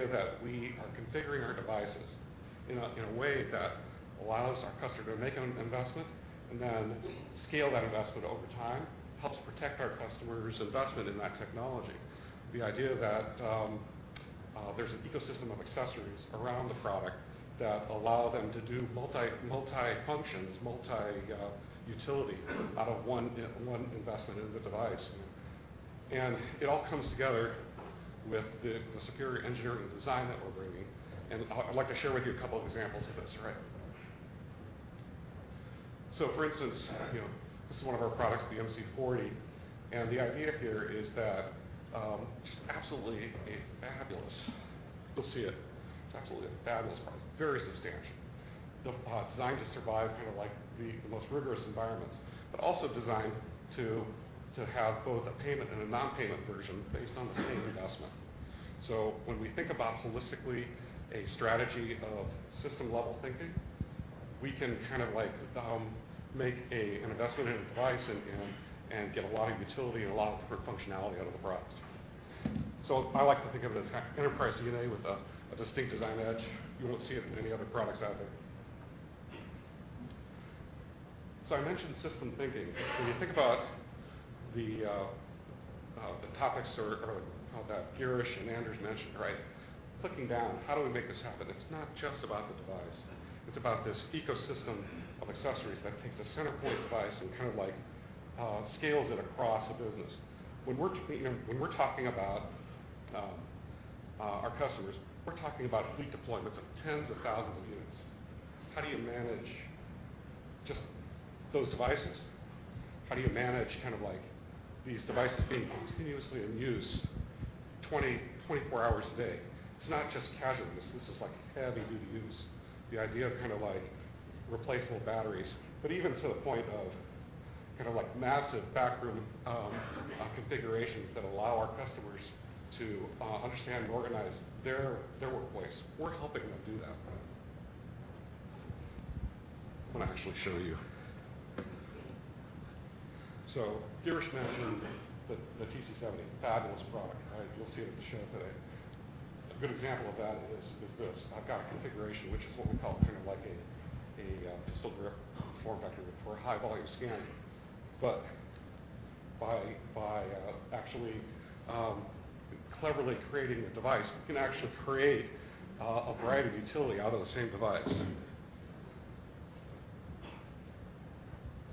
Speaker 4: that we are configuring our devices in a way that allows our customer to make an investment and then scale that investment over time helps protect our customers' investment in that technology. The idea that there's an ecosystem of accessories around the product that allow them to do multi functions, multi utility out of one investment in the device. And it all comes together with the superior engineering and design that we're bringing. I'd like to share with you a couple of examples of this, right? So, for instance, you know, this is one of our products, the MC40, and the idea here is that just absolutely a fabulous. You'll see it. It's absolutely a fabulous product, very substantial. The designed to survive kind of like the most rigorous environments, but also designed to have both a payment and a non-payment version based on the same investment. So when we think about holistically, a strategy of system-level thinking, we can kind of like make an investment in a device and get a lot of utility and a lot of different functionality out of the products. So I like to think of it as enterprise DNA with a distinct design edge. You won't see it in any other products out there. So I mentioned systems thinking. When you think about the topics or that Girish and Anders mentioned, right? Drilling down, how do we make this happen? It's not just about the device. It's about this ecosystem of accessories that takes a center point device and kind of like scales it across a business. When we're talking about our customers, we're talking about fleet deployments of tens of thousands of units. How do you manage just those devices? How do you manage, kind of like, these devices being continuously in use 24 hours a day? It's not just casual use. This is, like, heavy duty use. The idea of kind of like replaceable batteries, but even to the point of kind of like massive backroom configurations that allow our customers to understand and organize their workplace. We're helping them do that. I'm going to actually show you. So Girish mentioned the TC70, fabulous product, all right? You'll see it at the show today. A good example of that is this. I've got a configuration, which is what we call kind of like a pistol grip form factor for high-volume scanning. But by actually cleverly creating a device, we can actually create a variety of utility out of the same device,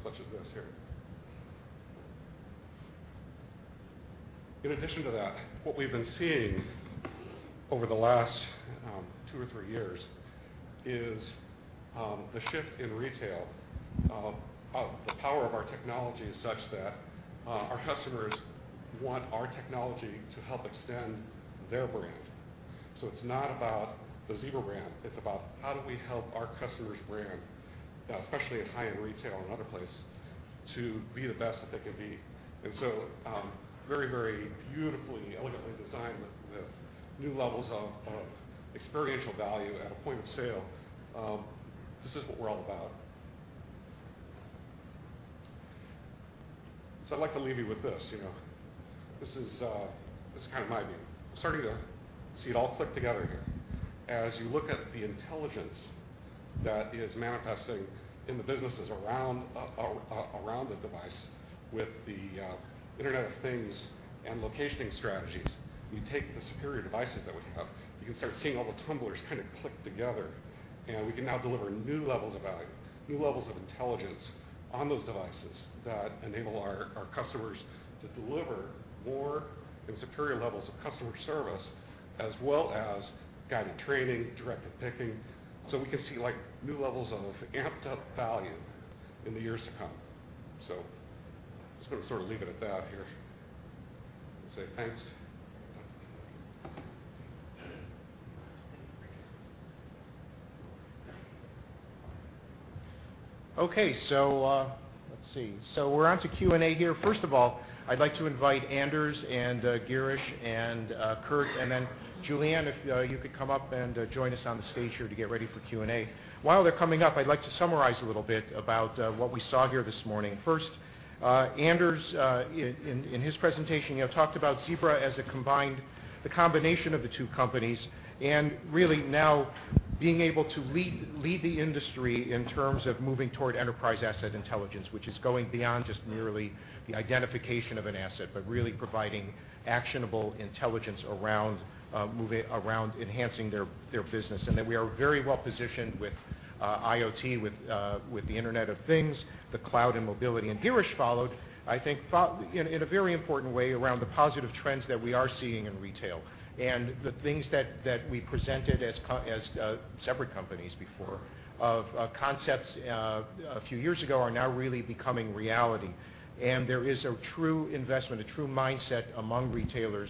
Speaker 4: such as this here. In addition to that, what we've been seeing over the last 2 or 3 years is the shift in retail of the power of our technology is such that our customers want our technology to help extend their brand. So it's not about the Zebra brand, it's about how do we help our customer's brand, especially in high-end retail and other place, to be the best that they can be. And so, very, very beautifully, elegantly designed with new levels of experiential value at a point of sale. This is what we're all about. So I'd like to leave you with this, you know. This is kind of my view. I'm starting to see it all click together here. As you look at the intelligence that is manifesting in the businesses around, around the device with the, Internet of Things and locationing strategies, we take the superior devices that we have, you can start seeing all the tumblers kind of click together, and we can now deliver new levels of value, new levels of intelligence on those devices that enable our, our customers to deliver more and superior levels of customer service, as well as guided training, directed picking, so we can see, like, new levels of amped-up value in the years to come. So I'm just going to sort of leave it at that here and say thanks.
Speaker 1: Okay, so, let's see. So we're on to Q&A here. First of all, I'd like to invite Anders and, Girish and, Curt, and then Juliann, if you could come up and, join us on the stage here to get ready for Q&A. While they're coming up, I'd like to summarize a little bit about what we saw here this morning. First, Anders, in his presentation, you know, talked about Zebra as a combined—the combination of the two companies, and really now being able to lead the industry in terms of moving toward enterprise asset intelligence, which is going beyond just merely the identification of an asset, but really providing actionable intelligence around enhancing their business. And that we are very well positioned with IoT, with the Internet of Things, the cloud and mobility. And Girish followed, I think, in a very important way, around the positive trends that we are seeing in retail. And the things that we presented as separate companies before, of concepts, a few years ago, are now really becoming reality. And there is a true investment, a true mindset among retailers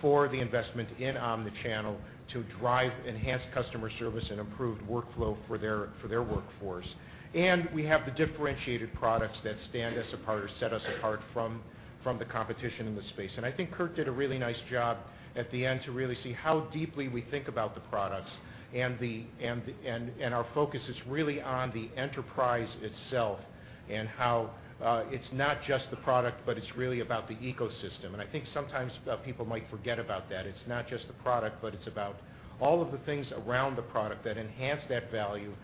Speaker 1: for the investment in omni-channel to drive enhanced customer service and improved workflow for their workforce. And we have the differentiated products that stand us apart or set us apart from the competition in the space. I think Curt did a really nice job at the end to really see how deeply we think about the products and our focus is really on the enterprise itself, and how it's not just the product, but it's really about the ecosystem. I think sometimes people might forget about that. It's not just the product, but it's about all of the things around the product that enhance that value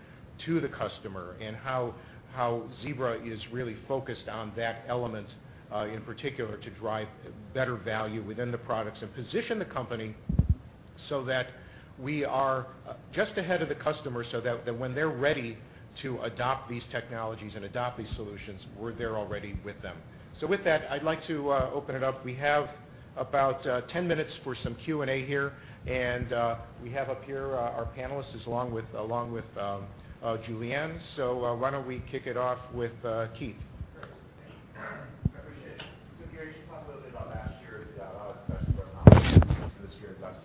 Speaker 1: to the customer, and how Zebra is really focused on that element in particular to drive better value within the products and position the company so that we are just ahead of the customer, so that when they're ready to adopt these technologies and adopt these solutions, we're there already with them. With that, I'd like to open it up. We have about 10 minutes for some Q&A here, and we have up here our panelists, along with Juliann. So, why don't we kick it off with Keith?
Speaker 5: I appreciate it. So Gary, you talked a little bit about last year, especially for this year thus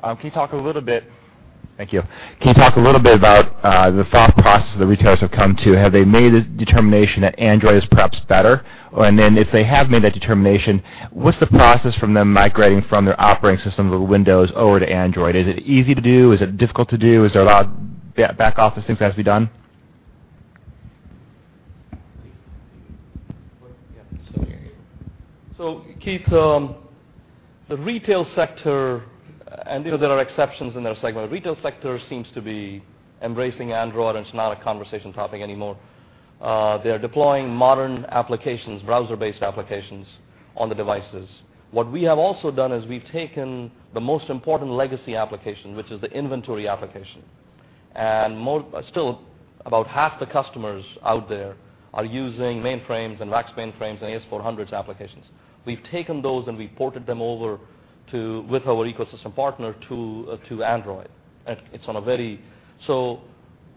Speaker 5: far. Can you talk a little bit—thank you. Can you talk a little bit about, the thought process the retailers have come to? Have they made a determination that Android is perhaps better? And then, if they have made that determination, what's the process from them migrating from their operating system of Windows over to Android? Is it easy to do? Is it difficult to do? Is there a lot of back office things that has to be done?
Speaker 4: So, Keith, the retail sector, and, you know, there are exceptions in their segment. Retail sector seems to be embracing Android, and it's not a conversation topic anymore. They are deploying modern applications, browser-based applications on the devices. What we have also done is we've taken the most important legacy application, which is the inventory application. Still, about half the customers out there are using mainframes and VAX mainframes and AS/400 applications. We've taken those, and we ported them over to, with our ecosystem partner, to Android. So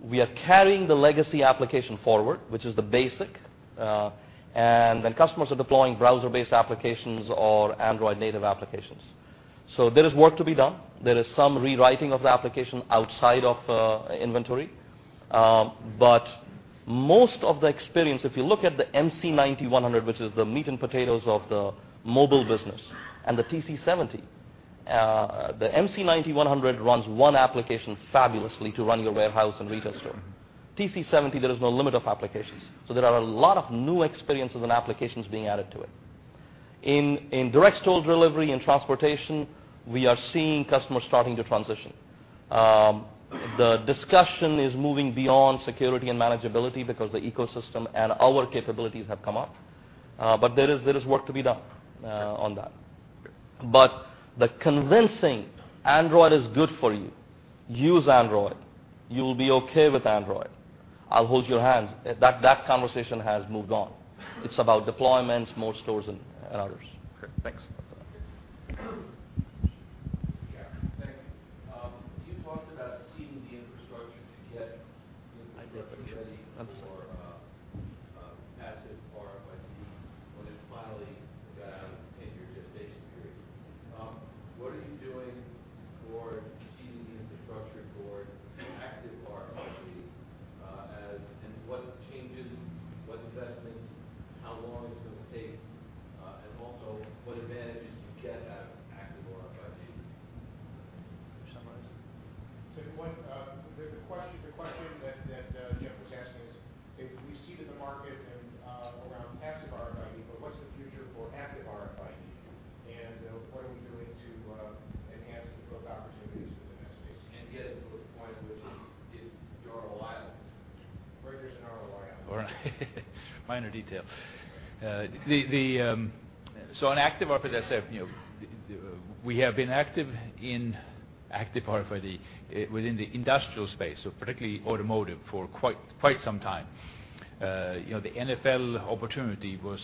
Speaker 4: we are carrying the legacy application forward, which is the basic, and then customers are deploying browser-based applications or Android native applications. There is work to be done. There is some rewriting of the application outside of inventory. But most of the experience, if you look at the MC9100, which is the meat and potatoes of the mobile business, and the TC70-The MC9100 runs one application fabulously to run your warehouse and retail store. TC70, there is no limit of applications, so there are a lot of new experiences and applications being added to it. In direct store delivery and transportation, we are seeing customers starting to transition. The discussion is moving beyond security and manageability because the ecosystem and our capabilities have come up. But there is, there is work to be done, on that.
Speaker 3: Minor detail. So on Active RFID, you know, we have been active in Active RFID within the industrial space, so particularly automotive, for quite, quite some time. You know, the NFL opportunity was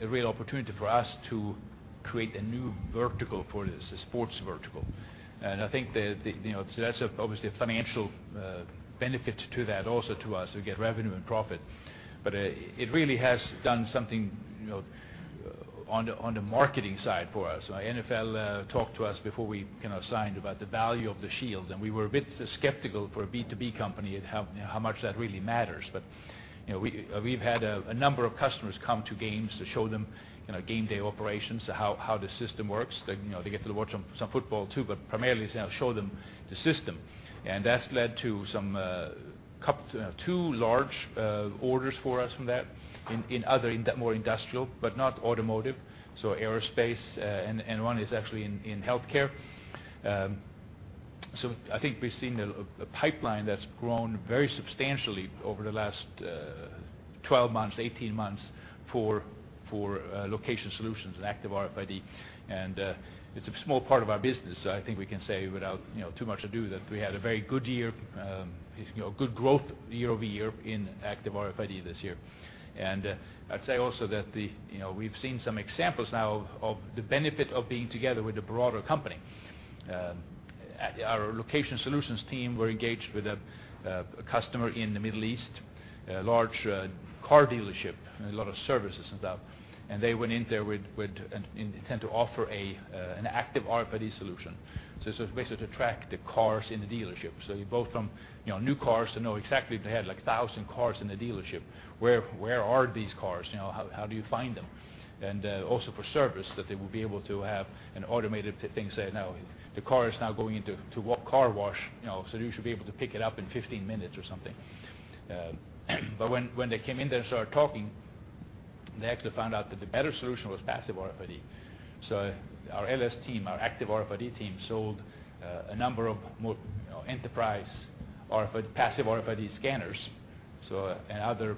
Speaker 3: a real opportunity for us to create a new vertical for this, a sports vertical. And I think, you know, so that's obviously a financial benefit to that also to us. We get revenue and profit. But it really has done something, you know, on the marketing side for us. NFL talked to us before we kind of signed about the value of the shield, and we were a bit skeptical for a B2B company at how much that really matters. But, you know, we've had a number of customers come to games to show them, you know, game day operations, how the system works. They, you know, get to watch some football, too, but primarily to show them the system. And that's led to some two large orders for us from that in other, more industrial, but not automotive, so aerospace, and one is actually in healthcare. So I think we've seen a pipeline that's grown very substantially over the last 12 months, 18 months for location solutions and Active RFID. And it's a small part of our business, so I think we can say without, you know, too much ado, that we had a very good year, you know, good growth year-over-year in Active RFID this year. I'd say also that the, you know, we've seen some examples now of the benefit of being together with a broader company. Our location solutions team were engaged with a customer in the Middle East, a large car dealership and a lot of services and that. And they went in there with and intend to offer an active RFID solution. So it was basically to track the cars in the dealership. So you go from, you know, new cars to know exactly if they had, like, 1,000 cars in the dealership, where are these cars? You know, how do you find them? Also for service, that they will be able to have an automated thing say, "Now, the car is now going into, to what car wash, you know, so you should be able to pick it up in 15 minutes or something." But when, when they came in there and started talking, they actually found out that the better solution was passive RFID. So our LS team, our active RFID team, sold, a number of more, you know, enterprise RFID, passive RFID scanners, so, and other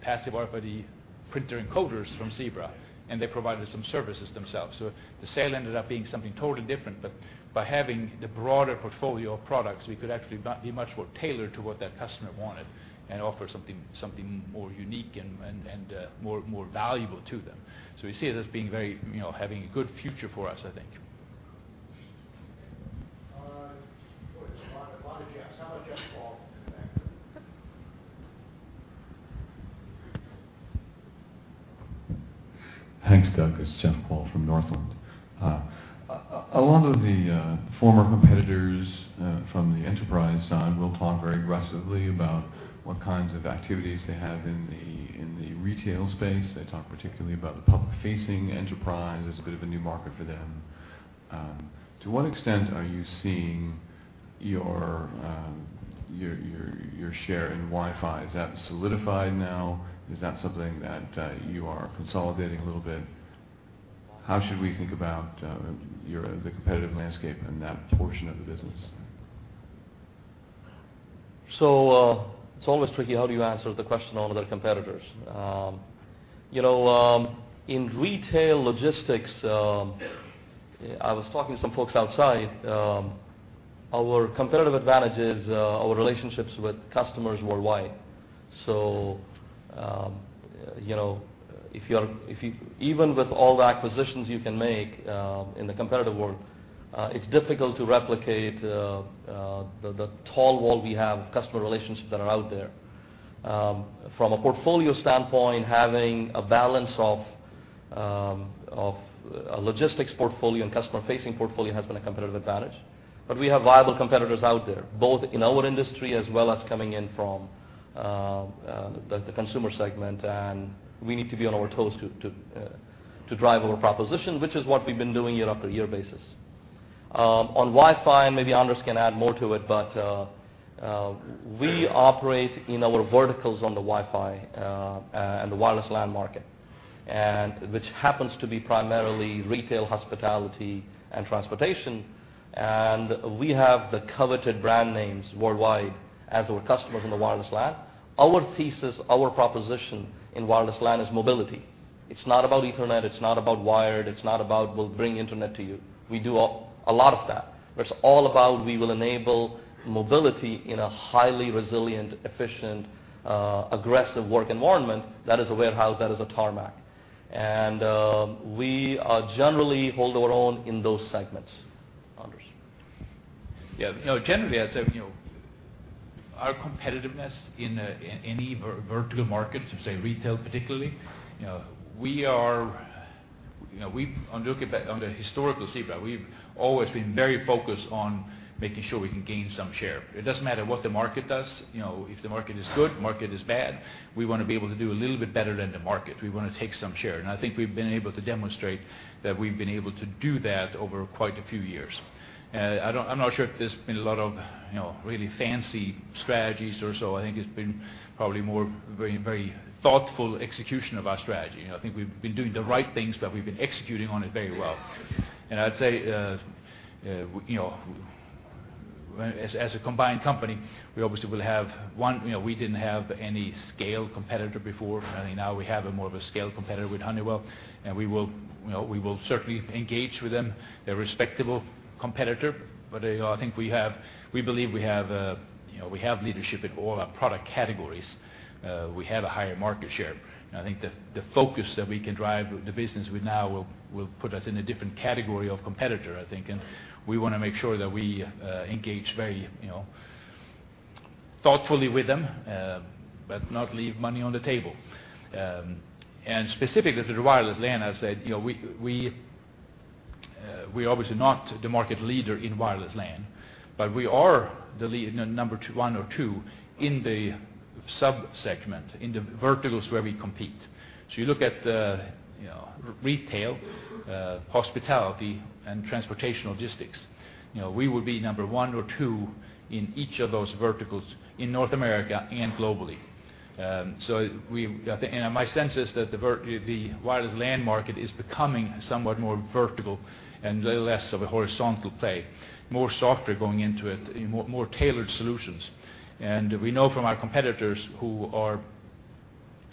Speaker 3: passive RFID printer encoders from Zebra, and they provided some services themselves. So the sale ended up being something totally different, but by having the broader portfolio of products, we could actually be much more tailored to what that customer wanted and offer something, something more unique and, and, and, more, more valuable to them. We see it as being very, you know, having a good future for us, I think.
Speaker 1: Boy, there's a lot, a lot of Jeffs. How about Jeff Kvaal in the back there?
Speaker 6: Thanks, Doug. It's Jeff Kvaal from Northland. A lot of the former competitors from the enterprise side will talk very aggressively about what kinds of activities they have in the retail space. They talk particularly about the public-facing enterprise as a bit of a new market for them. To what extent are you seeing your share in Wi-Fi? Is that solidified now? Is that something that you are consolidating a little bit? How should we think about the competitive landscape in that portion of the business?
Speaker 2: So, it's always tricky, how do you answer the question on other competitors? You know, in retail logistics, I was talking to some folks outside, our competitive advantage is, our relationships with customers worldwide. So, you know, if you are—if you, even with all the acquisitions you can make, in the competitive world, it's difficult to replicate, the, the tall wall we have of customer relationships that are out there. From a portfolio standpoint, having a balance of, of a logistics portfolio and customer-facing portfolio has been a competitive advantage. But we have viable competitors out there, both in our industry as well as coming in from—the consumer segment, and we need to be on our toes to drive our proposition, which is what we've been doing year after year basis. On Wi-Fi, maybe Anders can add more to it, but we operate in our verticals on the Wi-Fi and the Wireless LAN market, which happens to be primarily retail, hospitality, and transportation. And we have the coveted brand names worldwide as our customers in the Wireless LAN. Our thesis, our proposition in Wireless LAN is mobility. It's not about Ethernet, it's not about wired, it's not about we'll bring internet to you. We do a lot of that. But it's all about we will enable mobility in a highly resilient, efficient, aggressive work environment, that is a warehouse, that is a tarmac. And, we generally hold our own in those segments. Anders?
Speaker 3: Yeah, you know, generally, I'd say, you know, our competitiveness in any vertical market, from, say, retail, particularly, you know, we look at the historical Zebra, we've always been very focused on making sure we can gain some share. It doesn't matter what the market does, you know, if the market is good, market is bad, we wanna be able to do a little bit better than the market. We wanna take some share, and I think we've been able to demonstrate that we've been able to do that over quite a few years. I'm not sure if there's been a lot of, you know, really fancy strategies or so. I think it's been probably more very, very thoughtful execution of our strategy. You know, I think we've been doing the right things, but we've been executing on it very well. And I'd say, you know, as a combined company, we obviously will have one, you know, we didn't have any scale competitor before. I think now we have a more of a scale competitor with Honeywell, and we will, you know, we will certainly engage with them. They're a respectable competitor, but, I think we have - we believe we have, you know, we have leadership in all our product categories. We have a higher market share. And I think the focus that we can drive the business with now will put us in a different category of competitor, I think. And we wanna make sure that we engage very, you know, thoughtfully with them, but not leave money on the table. And specifically, to the Wireless LAN, I've said, you know, we're obviously not the market leader in Wireless LAN, but we are the number one or two in the sub-segment, in the verticals where we compete. So you look at the, you know, retail, hospitality, and transportation logistics, you know, we will be number one or two in each of those verticals in North America and globally. So, and my sense is that the Wireless LAN market is becoming somewhat more vertical and a little less of a horizontal play, more software going into it, more tailored solutions. We know from our competitors who,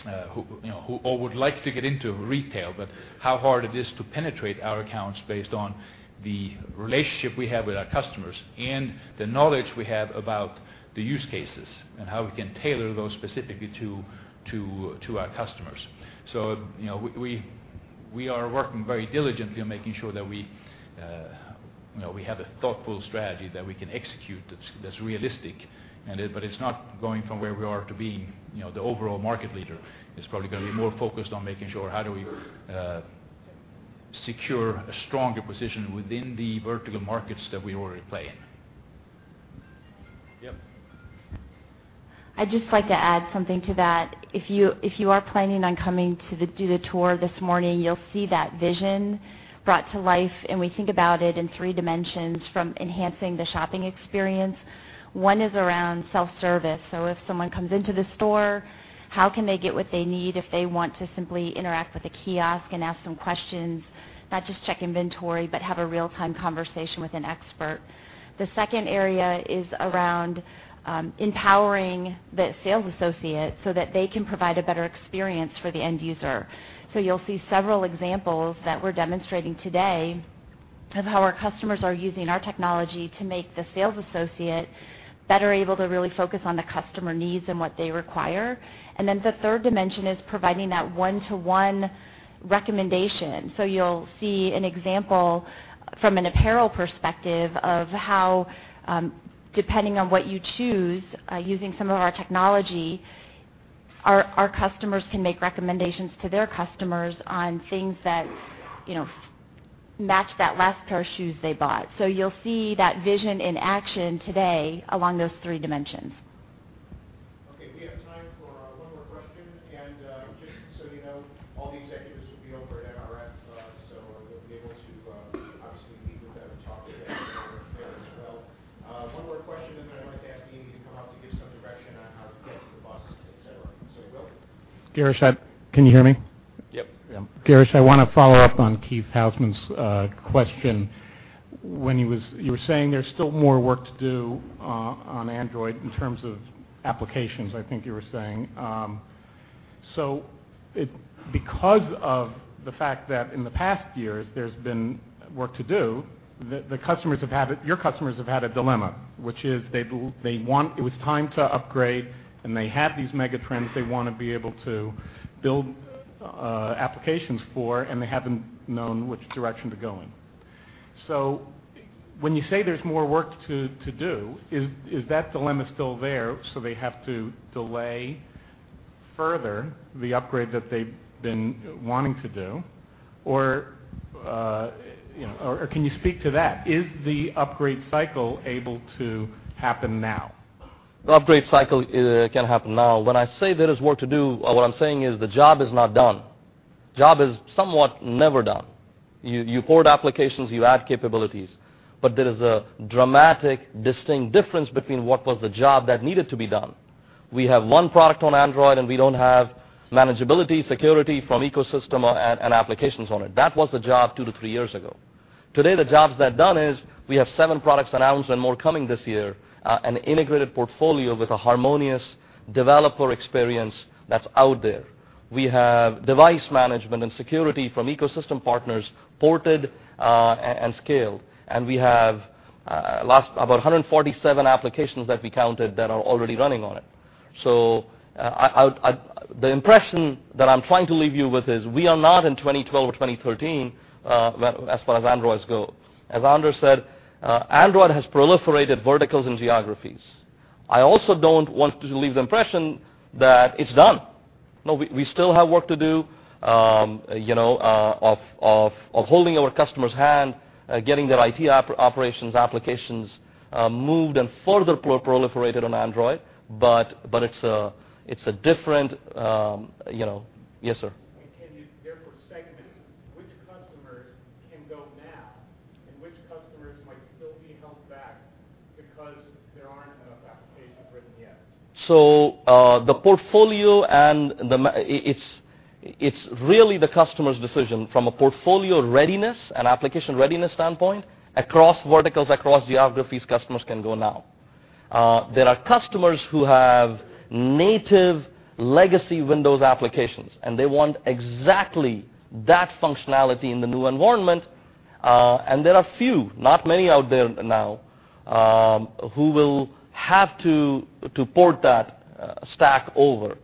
Speaker 3: you know, all would like to get into retail, but how hard it is to penetrate our accounts based on the relationship we have with our customers and the knowledge we have about the use cases, and how we can tailor those specifically to our customers. So, you know, we are working very diligently on making sure that we, you know, have a thoughtful strategy that we can execute, that's realistic, and it—but it's not going from where we are to being, you know, the overall market leader. It's probably gonna be more focused on making sure how do we secure a stronger position within the vertical markets that we already play in.
Speaker 2: Yep.
Speaker 7: I'd just like to add something to that. If you, if you are planning on coming to the, do the tour this morning, you'll see that vision brought to life, and we think about it in three dimensions, from enhancing the shopping experience. One is around self-service. So if someone comes into the store, how can they get what they need if they want to simply interact with a kiosk and ask some questions, not just check inventory, but have a real-time conversation with an expert? The second area is around empowering the sales associate so that they can provide a better experience for the end user. So you'll see several examples that we're demonstrating today of how our customers are using our technology to make the sales associate better able to really focus on the customer needs and what they require. Then the third dimension is providing that one-to-one recommendation. So you'll see an example from an apparel perspective of how, depending on what you choose, using some of our technology, our, our customers can make recommendations to their customers on things that, you know, match that last pair of shoes they bought. So you'll see that vision in action today along those three dimensions.
Speaker 1: Okay, we have time for one more question. And just so you know, all the executives will be over at NRF, so you'll be able to obviously meet with them and talk to them as well. One more question, and then I'd like to ask you to come up to give some direction on how to get to the bus, etc. So go.
Speaker 8: Girish, can you hear me?
Speaker 2: Yep.
Speaker 8: Yeah. Girish, I wanna follow up on Keith Housum's question. When you were saying there's still more work to do on Android in terms of applications, I think you were saying. So because of the fact that in the past years there's been work to do, your customers have had a dilemma, which is it was time to upgrade, and they have these mega trends they wanna be able to build applications for, and they haven't known which direction to go in. So when you say there's more work to do, is that dilemma still there so they have to delay further the upgrade that they've been wanting to do, or, you know, or can you speak to that? Is the upgrade cycle able to happen now?
Speaker 2: The upgrade cycle can happen now. When I say there is work to do, what I'm saying is the job is not done. Job is somewhat never done. You port applications, you add capabilities, but there is a dramatic, distinct difference between what was the job that needed to be done. We have one product on Android, and we don't have manageability, security from ecosystem or applications on it. That was the job 2-3 years ago. Today, the jobs that are done is we have seven products announced and more coming this year, an integrated portfolio with a harmonious developer experience that's out there. We have device management and security from ecosystem partners, ported and scaled, and we have at least about 147 applications that we counted that are already running on it. So, I—the impression that I'm trying to leave you with is we are not in 2012 or 2013, as far as Androids go. As Anders said, Android has proliferated verticals and geographies. I also don't want to leave the impression that it's done. No, we still have work to do, you know, of holding our customer's hand, getting their IT operations, applications moved and further proliferated on Android, but it's a different, you know—Yes, sir.
Speaker 8: Can you therefore segment which customers can go now and which customers might still be held back because there aren't enough applications written yet?
Speaker 2: So, the portfolio and it's, it's really the customer's decision. From a portfolio readiness and application readiness standpoint, across verticals, across geographies, customers can go now. There are customers who have native legacy Windows applications, and they want exactly that functionality in the new environment, and there are a few, not many out there now, who will have to port that stack over.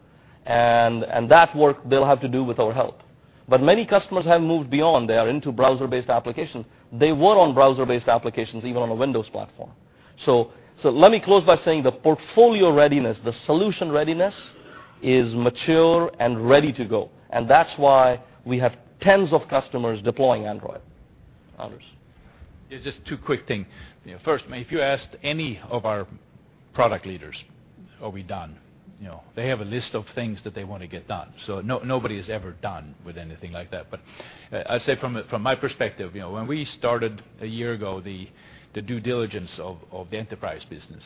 Speaker 2: That work they'll have to do with our help. But many customers have moved beyond. They are into browser-based applications. They were on browser-based applications, even on a Windows platform. Let me close by saying the portfolio readiness, the solution readiness is mature and ready to go, and that's why we have tens of customers deploying Android. Anders?
Speaker 3: Yeah, just two quick things. First, if you asked any of our product leaders, are we done? You know, they have a list of things that they want to get done, so nobody is ever done with anything like that. But, I'd say from from my perspective, you know, when we started a year ago, the due diligence of the enterprise business,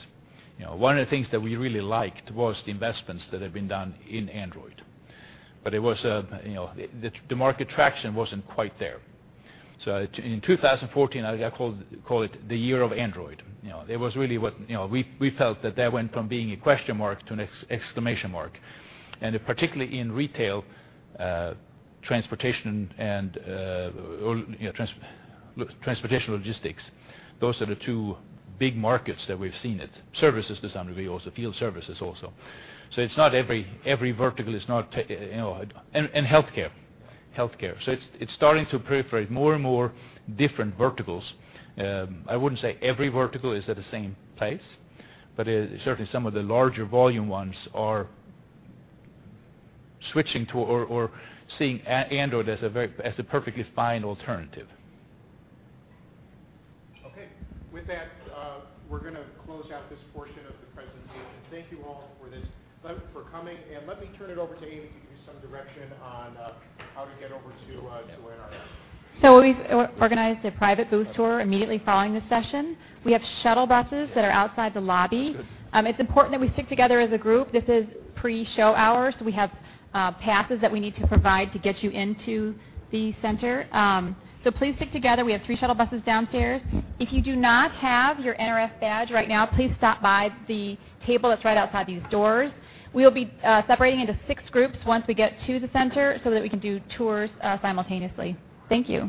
Speaker 3: you know, one of the things that we really liked was the investments that had been done in Android. But it was, you know, the market traction wasn't quite there. So in 2014, I called it the year of Android. You know, it was really what—you know, we felt that that went from being a question mark to an exclamation mark. And particularly in retail, transportation and logistics, those are the two big markets that we've seen it. Services to some degree also, field services also. So it's not every vertical, it's not, you know, and healthcare. Healthcare. So it's starting to proliferate more and more different verticals. I wouldn't say every vertical is at the same pace, but certainly some of the larger volume ones are switching to or seeing Android as a very as a perfectly fine alternative.
Speaker 8: Okay.
Speaker 1: With that, we're gonna close out this portion of the presentation. Thank you all for this, for coming, and let me turn it over to Amy to give you some direction on how to get over to NRF.
Speaker 9: So we've organized a private booth tour immediately following this session. We have shuttle buses that are outside the lobby. It's important that we stick together as a group. This is pre-show hours, so we have passes that we need to provide to get you into the center. So please stick together. We have three shuttle buses downstairs. If you do not have your NRF badge right now, please stop by the table that's right outside these doors. We'll be separating into six groups once we get to the center so that we can do tours simultaneously. Thank you.